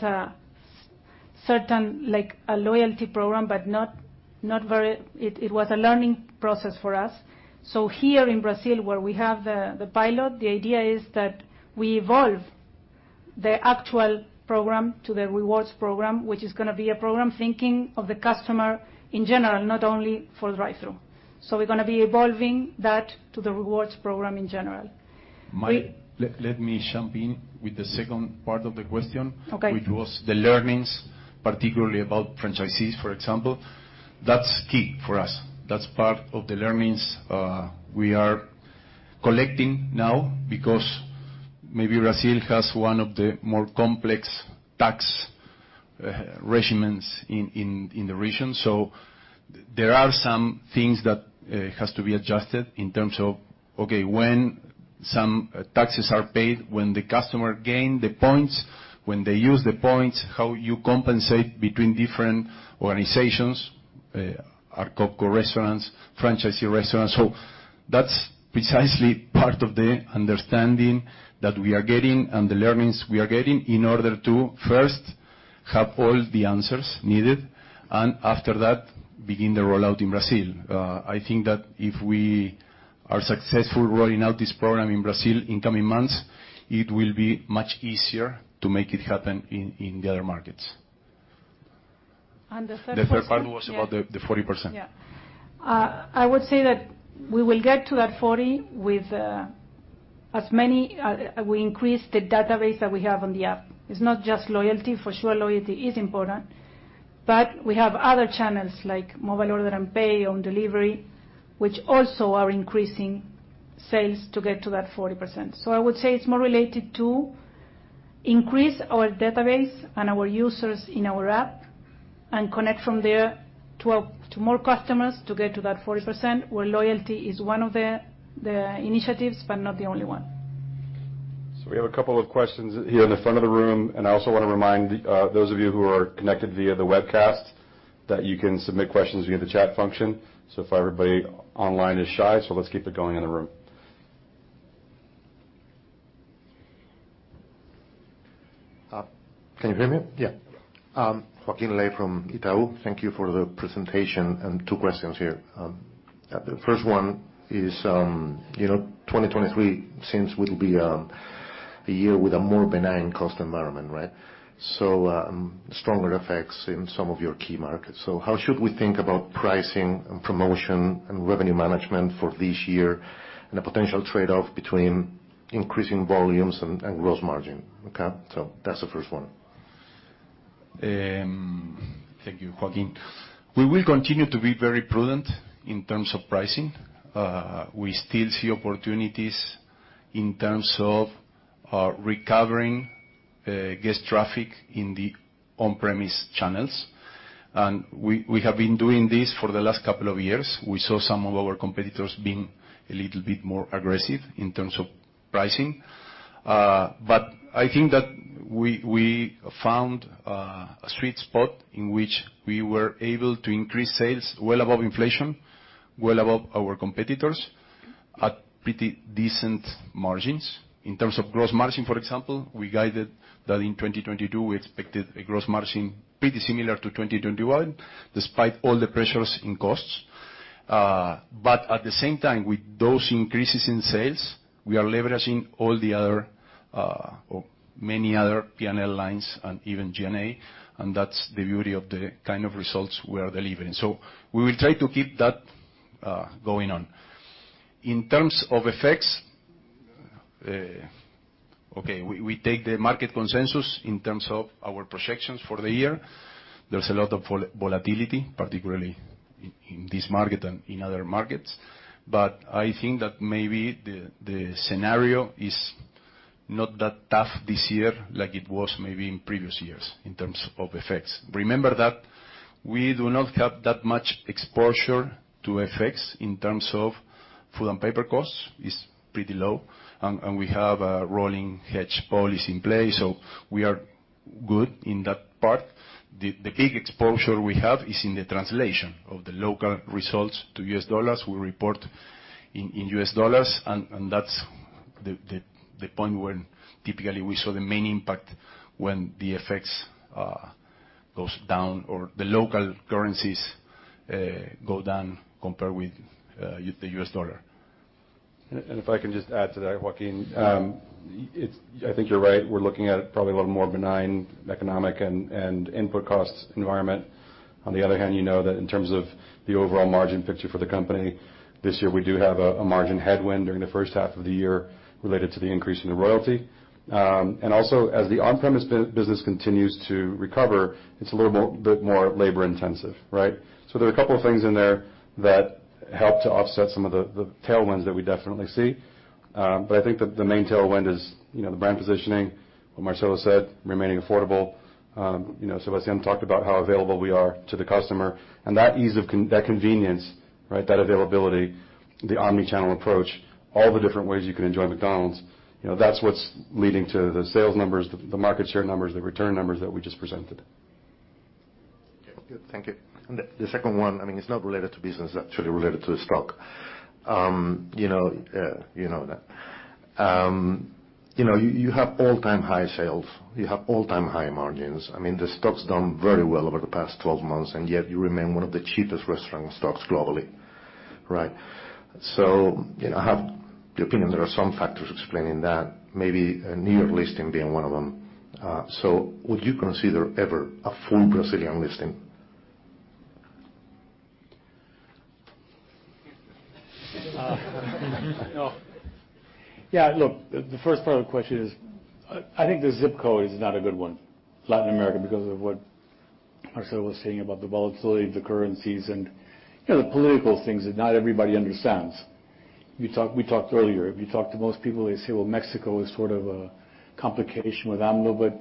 certain, like, a loyalty program, but not very, it was a learning process for us. Here in Brazil, where we have, the pilot, the idea is that we evolve the actual program to the rewards program, which is gonna be a program thinking of the customer in general, not only for the drive-thru. We're gonna be evolving that to the rewards program in general. Let me jump in with the second part of the question. Okay. Which was the learnings, particularly about franchisees, for example. That's key for us. That's part of the learnings, we are collecting now because maybe Brazil has one of the more complex tax regimens in the region. There are some things that has to be adjusted in terms of, okay, when some taxes are paid, when the customer gain the points, when they use the points, how you compensate between different organizations, our CoCo restaurants, franchisee restaurants. That's precisely part of the understanding that we are getting and the learnings we are getting in order to first have all the answers needed and after that, begin the rollout in Brazil. I think that if we are successful rolling out this program in Brazil in coming months, it will be much easier to make it happen in the other markets. The third question. The third part was about the 40%. Yeah. I would say that we will get to that 40%. We increase the database that we have on the app. It's not just loyalty. For sure, loyalty is important, but we have other channels like Mobile Order and Pay on delivery, which also are increasing sales to get to that 40%. I would say it's more related to increase our database and our users in our app and connect from there to more customers to get to that 40%, where loyalty is one of the initiatives, but not the only one. We have a couple of questions here in the front of the room, and I also wanna remind those of you who are connected via the webcast that you can submit questions via the chat function. If everybody online is shy, let's keep it going in the room. Can you hear me? Yeah. Joaquin Ley from Itaú. Thank you for the presentation. Two questions here. The first one is, you know, 2023 seems will be, a year with a more benign cost environment, right? Stronger FX in some of your key markets. How should we think about pricing and promotion and revenue management for this year and the potential trade-off between increasing volumes and gross margin? Okay, that's the first one. Thank you, Joaquin. We will continue to be very prudent in terms of pricing. We still see opportunities in terms of recovering guest traffic in the on-premise channels. We, we have been doing this for the last couple of years. We saw some of our competitors being a little bit more aggressive in terms of pricing. I think that we found a sweet spot in which we were able to increase sales well above inflation, well above our competitors, at pretty decent margins. In terms of gross margin, for example, we guided that in 2022, we expected a gross margin pretty similar to 2021, despite all the pressures in costs. At the same time, with those increases in sales, we are leveraging all the other, or many other P&L lines and even G&A. That's the beauty of the kind of results we are delivering. We will try to keep that going on. In terms of FX, okay, we take the market consensus in terms of our projections for the year. There's a lot of volatility, particularly in this market and in other markets. I think that maybe the scenario is not that tough this year like it was maybe in previous years in terms of FX. Remember that we do not have that much exposure to FX in terms of food and paper costs. It's pretty low. We have a rolling hedge policy in place, we are good in that part. The big exposure we have is in the translation of the local results to U.S. dollars. We report in U.S. dollars, and that's the point where typically we saw the main impact when the FX goes down or the local currencies go down compared with the U.S. dollar. If I can just add to that, Joaquin. I think you're right. We're looking at probably a little more benign economic and input costs environment. On the other hand, you know that in terms of the overall margin picture for the company, this year we do have a margin headwind during the first half of the year related to the increase in the royalty. Also, as the on-premise business continues to recover, it's a little more, bit more labor-intensive, right? There are a couple of things in there that help to offset some of the tailwinds that we definitely see. I think that the main tailwind is, you know, the brand positioning, what Marcelo said, remaining affordable. You know, Sebastián talked about how available we are to the customer. That convenience, right, that availability, the omnichannel approach, all the different ways you can enjoy McDonald's, you know, that's what's leading to the sales numbers, the market share numbers, the return numbers that we just presented. Good. Thank you. The second one, I mean, it's not related to business, actually related to the stock. You know, you have all-time high sales. You have all-time high margins. I mean, the stock's done very well over the past 12 months, and yet you remain one of the cheapest restaurant stocks globally, right? You know, I have the opinion there are some factors explaining that, maybe a New York listing being one of them. Would you consider ever a full Brazilian listing? No. Yeah, look, the first part of the question is I think the ZIP code is not a good one, Latin America, because of what Marcelo was saying about the volatility of the currencies and, you know, the political things that not everybody understands. We talked earlier. If you talk to most people, they say, "Well, Mexico is sort of a complication with AMLO," but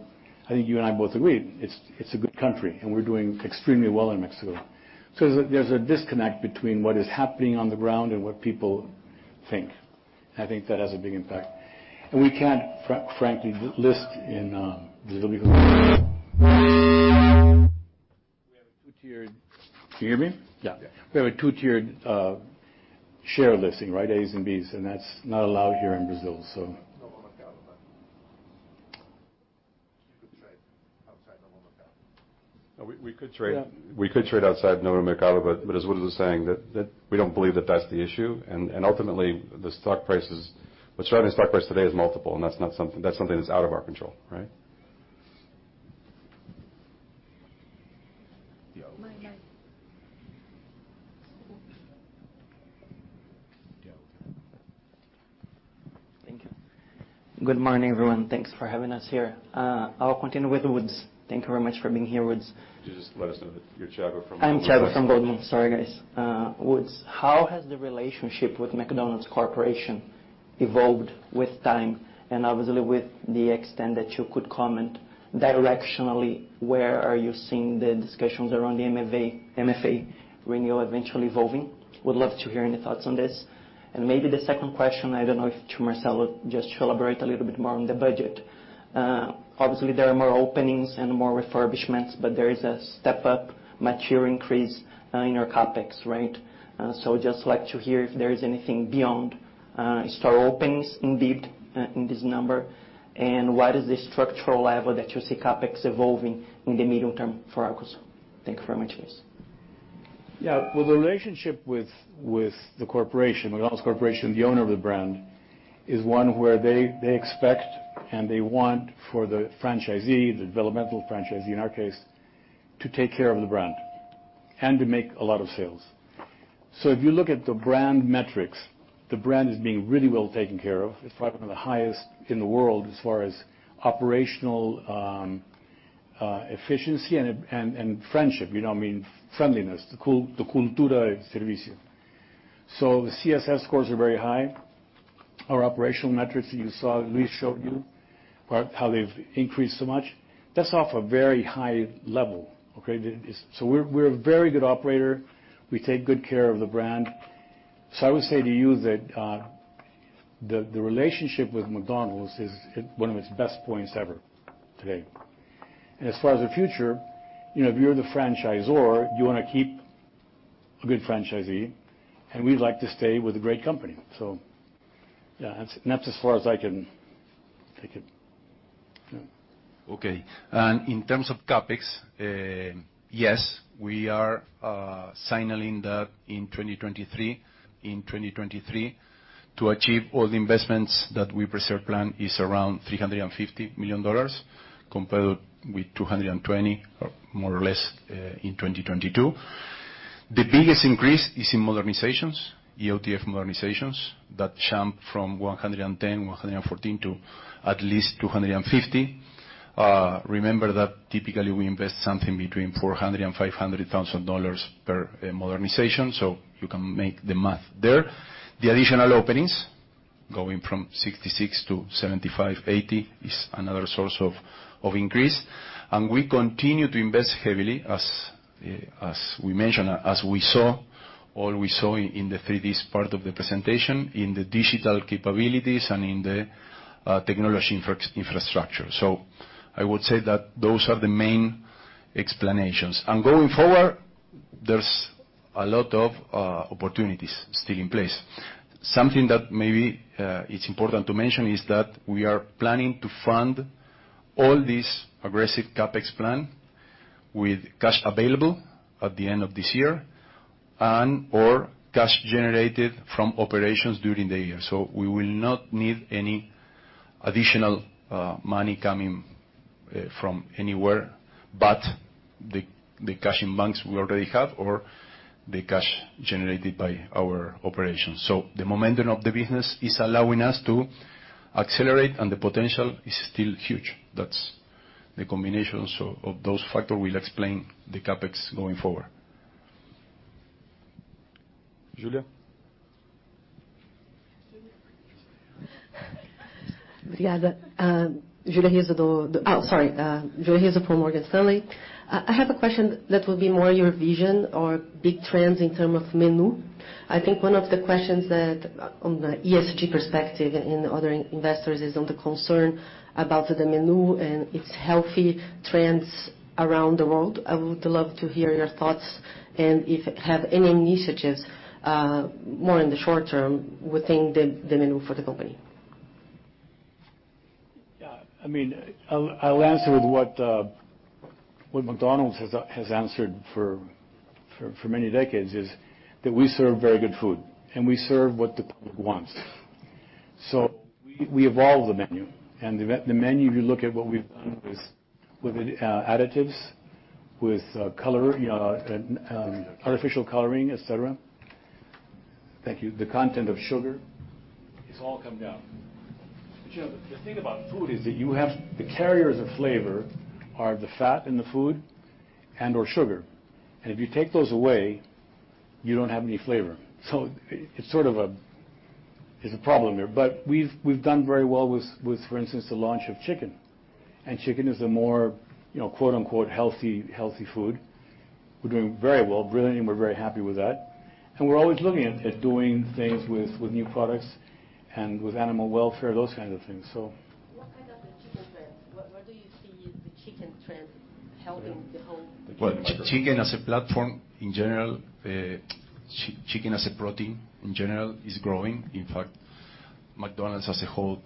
I think you and I both agree, it's a good country, and we're doing extremely well in Mexico. There's a disconnect between what is happening on the ground and what people think. I think that has a big impact. We can't frankly list in, we have a two-tiered. Can you hear me? Yeah. We have a two-tiered, share listing, right? A's and B's, and that's not allowed here in Brazil. You could trade outside Novo Mercado. We could. Yeah. We could trade outside Novo Mercado, but as Woods was saying, that we don't believe that that's the issue. Ultimately, the stock price is. What's driving the stock price today is multiple, and that's something that's out of our control, right? Yeah. Okay. Thank you. Good morning, everyone. Thanks for having us here. I'll continue with Woods. Thank you very much for being here, Woods. Could you just let us know that you're Thiago from Goldman Sachs? I'm Thiago from Goldman. Sorry, guys. Woods, how has the relationship with McDonald's Corporation evolved with time? Obviously with the extent that you could comment directionally, where are you seeing the discussions around the MFA renewal eventually evolving? Would love to hear any thoughts on this. Maybe the second question, I don't know if to Marcelo, just to elaborate a little bit more on the budget. Obviously there are more openings and more refurbishments, but there is a step-up material increase in your CapEx, right? Just like to hear if there is anything beyond store openings indeed in this number, and what is the structural level that you see CapEx evolving in the medium term for Arcos. Thank you very much, guys. Well, the relationship with McDonald's Corporation, the owner of the brand, is one where they expect, and they want for the franchisee, the developmental franchisee in our case, to take care of the brand and to make a lot of sales. If you look at the brand metrics, the brand is being really well taken care of. It's probably one of the highest in the world as far as operational efficiency and friendship. You know, I mean friendliness. The Cultura de Servicio. The CSS scores are very high. Our operational metrics that you saw, Luis showed you, are how they've increased so much. That's off a very high level, okay? We're a very good operator. We take good care of the brand. I would say to you that the relationship with McDonald's is at one of its best points ever today. As far as the future, you know, if you're the franchisor, you wanna keep a good franchisee, and we'd like to stay with a great company. Yeah. That's as far as I can take it. Yeah. Okay. In terms of CapEx, yes, we are signaling that in 2023. In 2023, to achieve all the investments that we preserve plan is around $350 million compared with $220 million or more or less in 2022. The biggest increase is in modernizations, EOTF modernizations, that jump from $110 million, $114 million to at least $250 million. Remember that typically we invest something between $400,000-$500,000 per modernization, so you can make the math there. The additional openings, going from 66-75, 80 is another source of increase. We continue to invest heavily as we mentioned, as we saw, all we saw in the 3Ds part of the presentation, in the digital capabilities and in the technology infrastructure. I would say that those are the main explanations. Going forward, there's a lot of opportunities still in place. Something that maybe it's important to mention is that we are planning to fund all this aggressive CapEx plan with cash available at the end of this year and/or cash generated from operations during the year. We will not need any additional money coming from anywhere, but the cash in banks we already have or the cash generated by our operations. The momentum of the business is allowing us to accelerate, and the potential is still huge. That's the combinations of those factor will explain the CapEx going forward. Julia? Yeah. Julia Rizzo. Oh, sorry. Julia Rizzo, Morgan Stanley. I have a question that will be more your vision or big trends in term of menu. I think one of the questions that on the ESG perspective and other investors is on the concern about the menu and it's healthy trends around the world. I would love to hear your thoughts and if it have any initiatives, more in the short term within the menu for the company. Yeah. I mean, I'll answer with what McDonald's has answered for many decades is that we serve very good food, we serve what the public wants. We evolve the menu. The menu, if you look at what we've done with additives, with color and artificial coloring, et cetera. Thank you. The content of sugar, it's all come down. You know, the thing about food is that you have the carriers of flavor are the fat in the food and/or sugar. If you take those away, you don't have any flavor. It's sort of a, there's a problem there. We've done very well with, for instance, the launch of chicken. Chicken is a more, you know, quote unquote, "healthy," healthy food. We're doing very well, brilliantly, and we're very happy with that. We're always looking at doing things with new products and with animal welfare, those kinds of things. What kind of the chicken trends? Where do you see the chicken trend helping. Well- Chicken as a platform in general, chicken as a protein in general is growing. In fact, McDonald's as a whole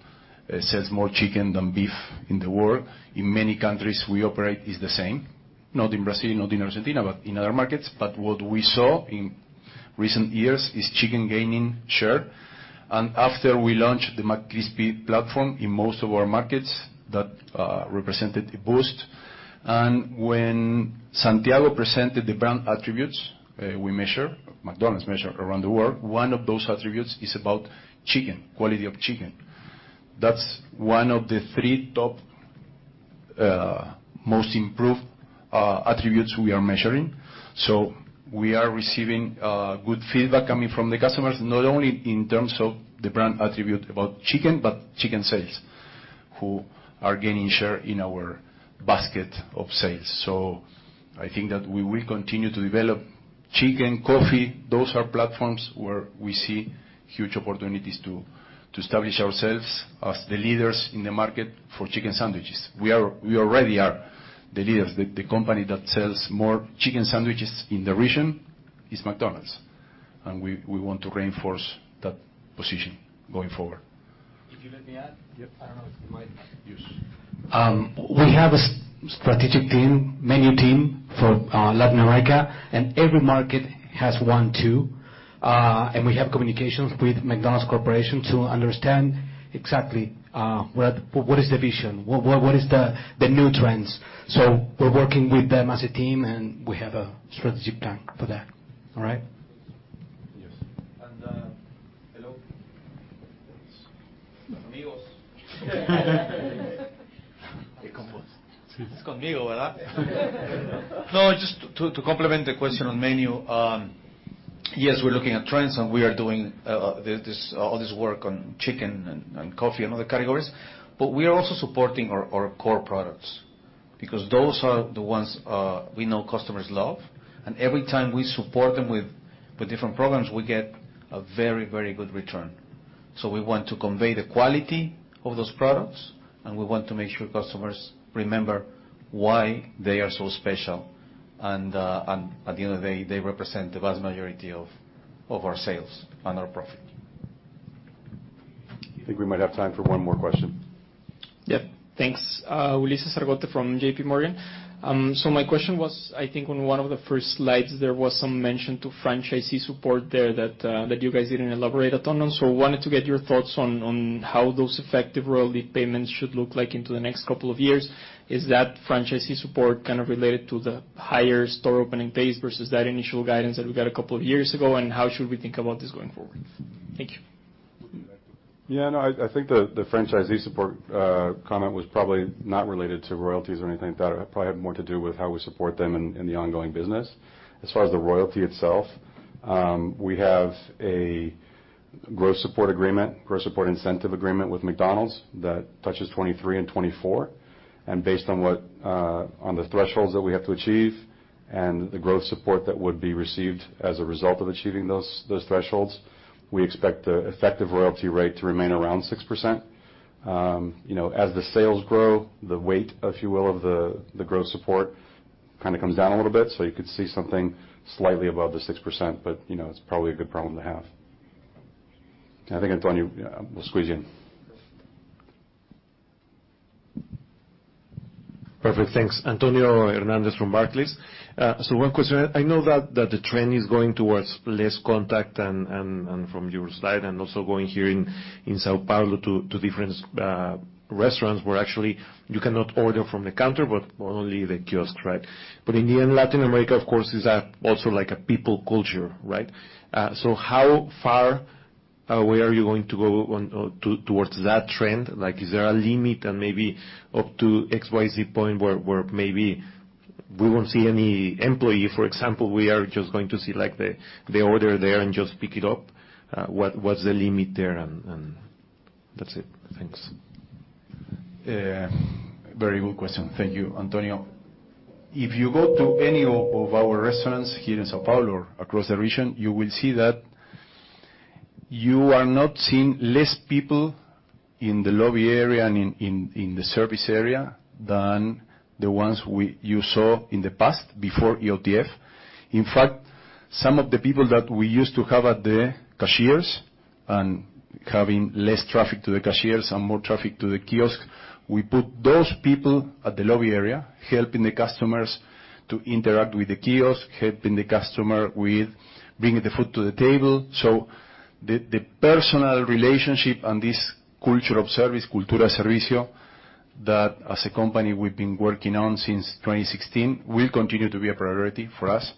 sells more chicken than beef in the world. In many countries we operate, it's the same. Not in Brazil, not in Argentina, but in other markets. What we saw in recent years is chicken gaining share. After we launched the McCrispy platform in most of our markets, that represented a boost. When Santiago presented the brand attributes, we measure, McDonald's measure around the world, one of those attributes is about chicken, quality of chicken. That's one of the three top most improved attributes we are measuring. We are receiving good feedback coming from the customers, not only in terms of the brand attribute about chicken, but chicken sales, who are gaining share in our basket of sales. I think that we will continue to develop chicken, coffee. Those are platforms where we see huge opportunities to establish ourselves as the leaders in the market for chicken sandwiches. We already are the leaders. The company that sells more chicken sandwiches in the region is McDonald's, and we want to reinforce that position going forward. If you let me add? Yep. I don't know if the mic. Yes. We have a strategic team, menu team for Latin America, and every market has one too. We have communications with McDonald's Corporation to understand exactly what is the vision, what is the new trends. We're working with them as a team, and we have a strategic plan for that. All right? Yes. Hello. Amigos. It's conmigo, what? No, just to complement the question on menu. Yes, we're looking at trends, and we are doing all this work on chicken and coffee and other categories, but we are also supporting our core products because those are the ones we know customers love. Every time we support them with different programs, we get a very good return. We want to convey the quality of those products, and we want to make sure customers remember why they are so special. At the end of the day, they represent the vast majority of our sales and our profit. I think we might have time for one more question. Thanks. My question was, I think on one of the first slides, there was some mention to franchisee support there that you guys didn't elaborate at all on. Wanted to get your thoughts on how those effective royalty payments should look like into the next two years. Is that franchisee support kind of related to the higher store opening pace versus that initial guidance that we got two years ago? How should we think about this going forward? Thank you. Yeah. No, I think the franchisee support comment was probably not related to royalties or anything like that. It probably had more to do with how we support them in the ongoing business. As far as the royalty itself, we have a growth support agreement, growth support incentive agreement with McDonald's that touches 2023 and 2024. Based on the thresholds that we have to achieve and the growth support that would be received as a result of achieving those thresholds, we expect the effective royalty rate to remain around 6%. You know, as the sales grow, the weight, if you will, of the growth support kinda comes down a little bit, so you could see something slightly above the 6%. You know, it's probably a good problem to have. I think, Antonio, we'll squeeze you in. Perfect. Thanks. Antonio Hernández from Barclays. One question. I know that the trend is going towards less contact and from your side, and also going here in São Paulo to different restaurants where actually you cannot order from the counter, but only the kiosk, right? In the end, Latin America, of course, is also like a people culture, right? How far away are you going to go towards that trend? Like, is there a limit and maybe up to XYZ point where maybe we won't see any employee? For example, we are just going to see like the order there and just pick it up. What's the limit there and? That's it. Thanks. Very good question. Thank you, Antonio. If you go to any of our restaurants here in São Paulo or across the region, you will see that you are not seeing less people in the lobby area and in the service area than the ones you saw in the past, before EOTF. In fact, some of the people that we used to have at the cashiers, and having less traffic to the cashiers and more traffic to the kiosk, we put those people at the lobby area, helping the customers to interact with the kiosk, helping the customer with bringing the food to the table. The personal relationship and this culture of service, Cultura Servicio, that, as a company, we've been working on since 2016, will continue to be a priority for us.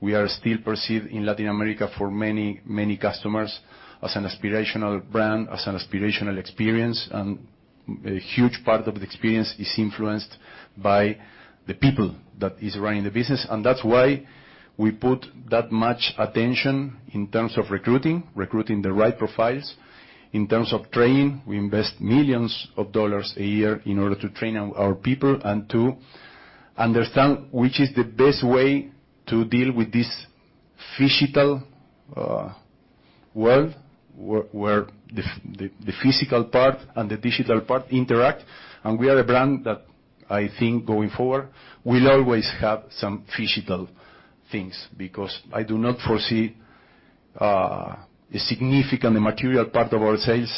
We are still perceived in Latin America for many customers as an aspirational brand, as an aspirational experience, and a huge part of the experience is influenced by the people that is running the business. That's why we put that much attention in terms of recruiting the right profiles. In terms of training, we invest millions of dollars a year in order to train our people and to understand which is the best way to deal with this phygital world, where the physical part and the digital part interact. We are a brand that, I think, going forward, will always have some phygital things, because I do not foresee a significant and material part of our sales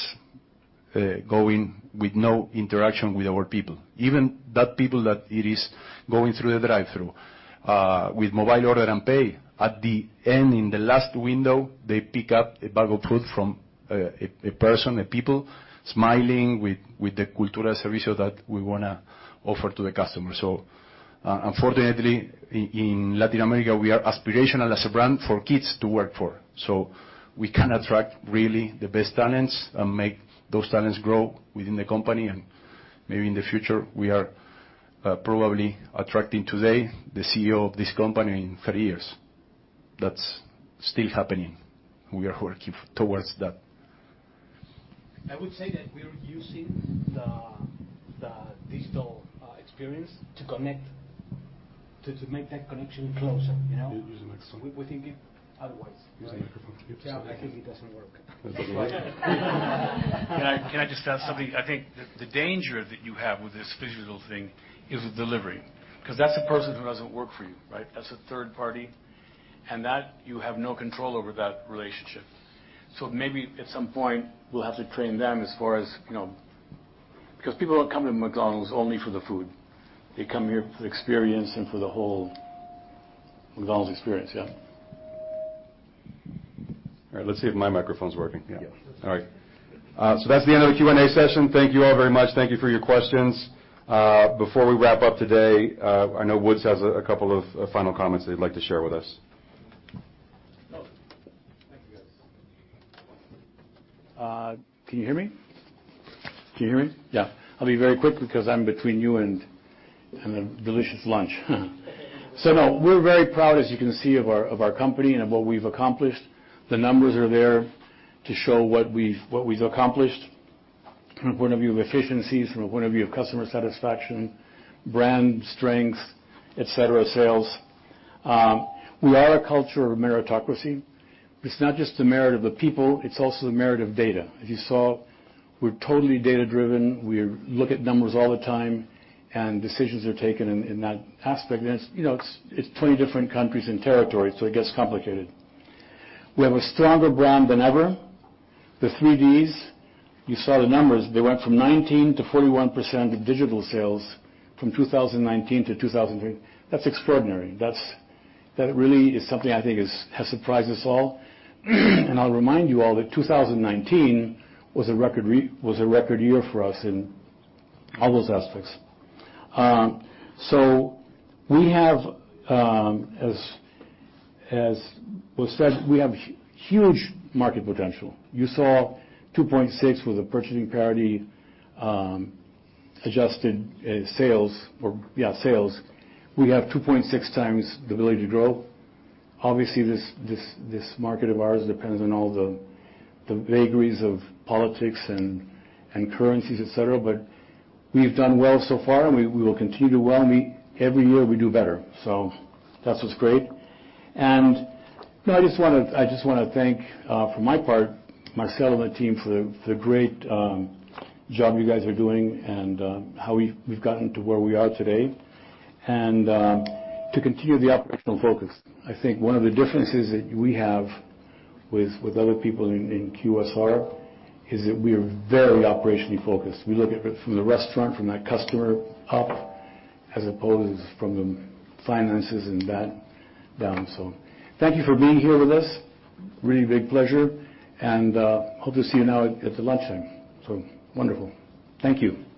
going with no interaction with our people. Even that people that it is going through the drive-through, with Mobile Order and Pay, at the end, in the last window, they pick up a bag of food from a person, a people smiling with the Cultura de Servicio that we wanna offer to the customer. Unfortunately, in Latin America, we are aspirational as a brand for kids to work for. We can attract really the best talents and make those talents grow within the company, and maybe in the future. We are probably attracting today the CEO of this company in 30 years. That's still happening. We are working towards that. I would say that we are using the digital experience to connect, to make that connection closer, you know. Use the microphone. We think it otherwise. Use the microphone. Yeah, I think it doesn't work. Can I just add something? I think the danger that you have with this phygital thing is with delivery, 'cause that's a person who doesn't work for you, right? That's a third party, and that you have no control over that relationship. Maybe at some point we'll have to train them as far as, you know. 'Cause people don't come to McDonald's only for the food. They come here for the experience and for the whole McDonald's experience. Yeah. All right. Let's see if my microphone's working. Yeah. Yeah. All right. That's the end of the Q&A session. Thank you all very much. Thank you for your questions. Before we wrap up today, I know Woods has a couple of final comments that he'd like to share with us. Can you hear me? Yeah. I'll be very quick because I'm between you and a delicious lunch. No, we're very proud, as you can see, of our company and of what we've accomplished. The numbers are there to show what we've accomplished from a point of view of efficiencies, from a point of view of customer satisfaction, brand strength, et cetera, sales. We are a culture of meritocracy. It's not just the merit of the people, it's also the merit of data. As you saw, we're totally data-driven. We look at numbers all the time, and decisions are taken in that aspect. It's, you know, it's 20 different countries and territories, so it gets complicated. We have a stronger brand than ever. The 3Ds, you saw the numbers. They went from 19%-41% of digital sales from 2019 to 2020. That's extraordinary. That really is something I think has surprised us all. I'll remind you all that 2019 was a record year for us in all those aspects. We have, as was said, we have huge market potential. You saw 2.6 was a purchasing parity adjusted sales, or yeah, sales. We have 2.6x the ability to grow. Obviously, this market of ours depends on all the vagaries of politics and currencies, et cetera. We've done well so far, and we will continue to well. Every year we do better. That's what's great. You know, I just wanna, I just wanna thank, for my part, Marcel and the team for the great job you guys are doing and how we've gotten to where we are today. To continue the operational focus. I think one of the differences that we have with other people in QSR is that we are very operationally focused. We look at it from the restaurant, from that customer up, as opposed from the finances and that down. Thank you for being here with us. Really big pleasure, and hope to see you now at the lunch then. Wonderful. Thank you.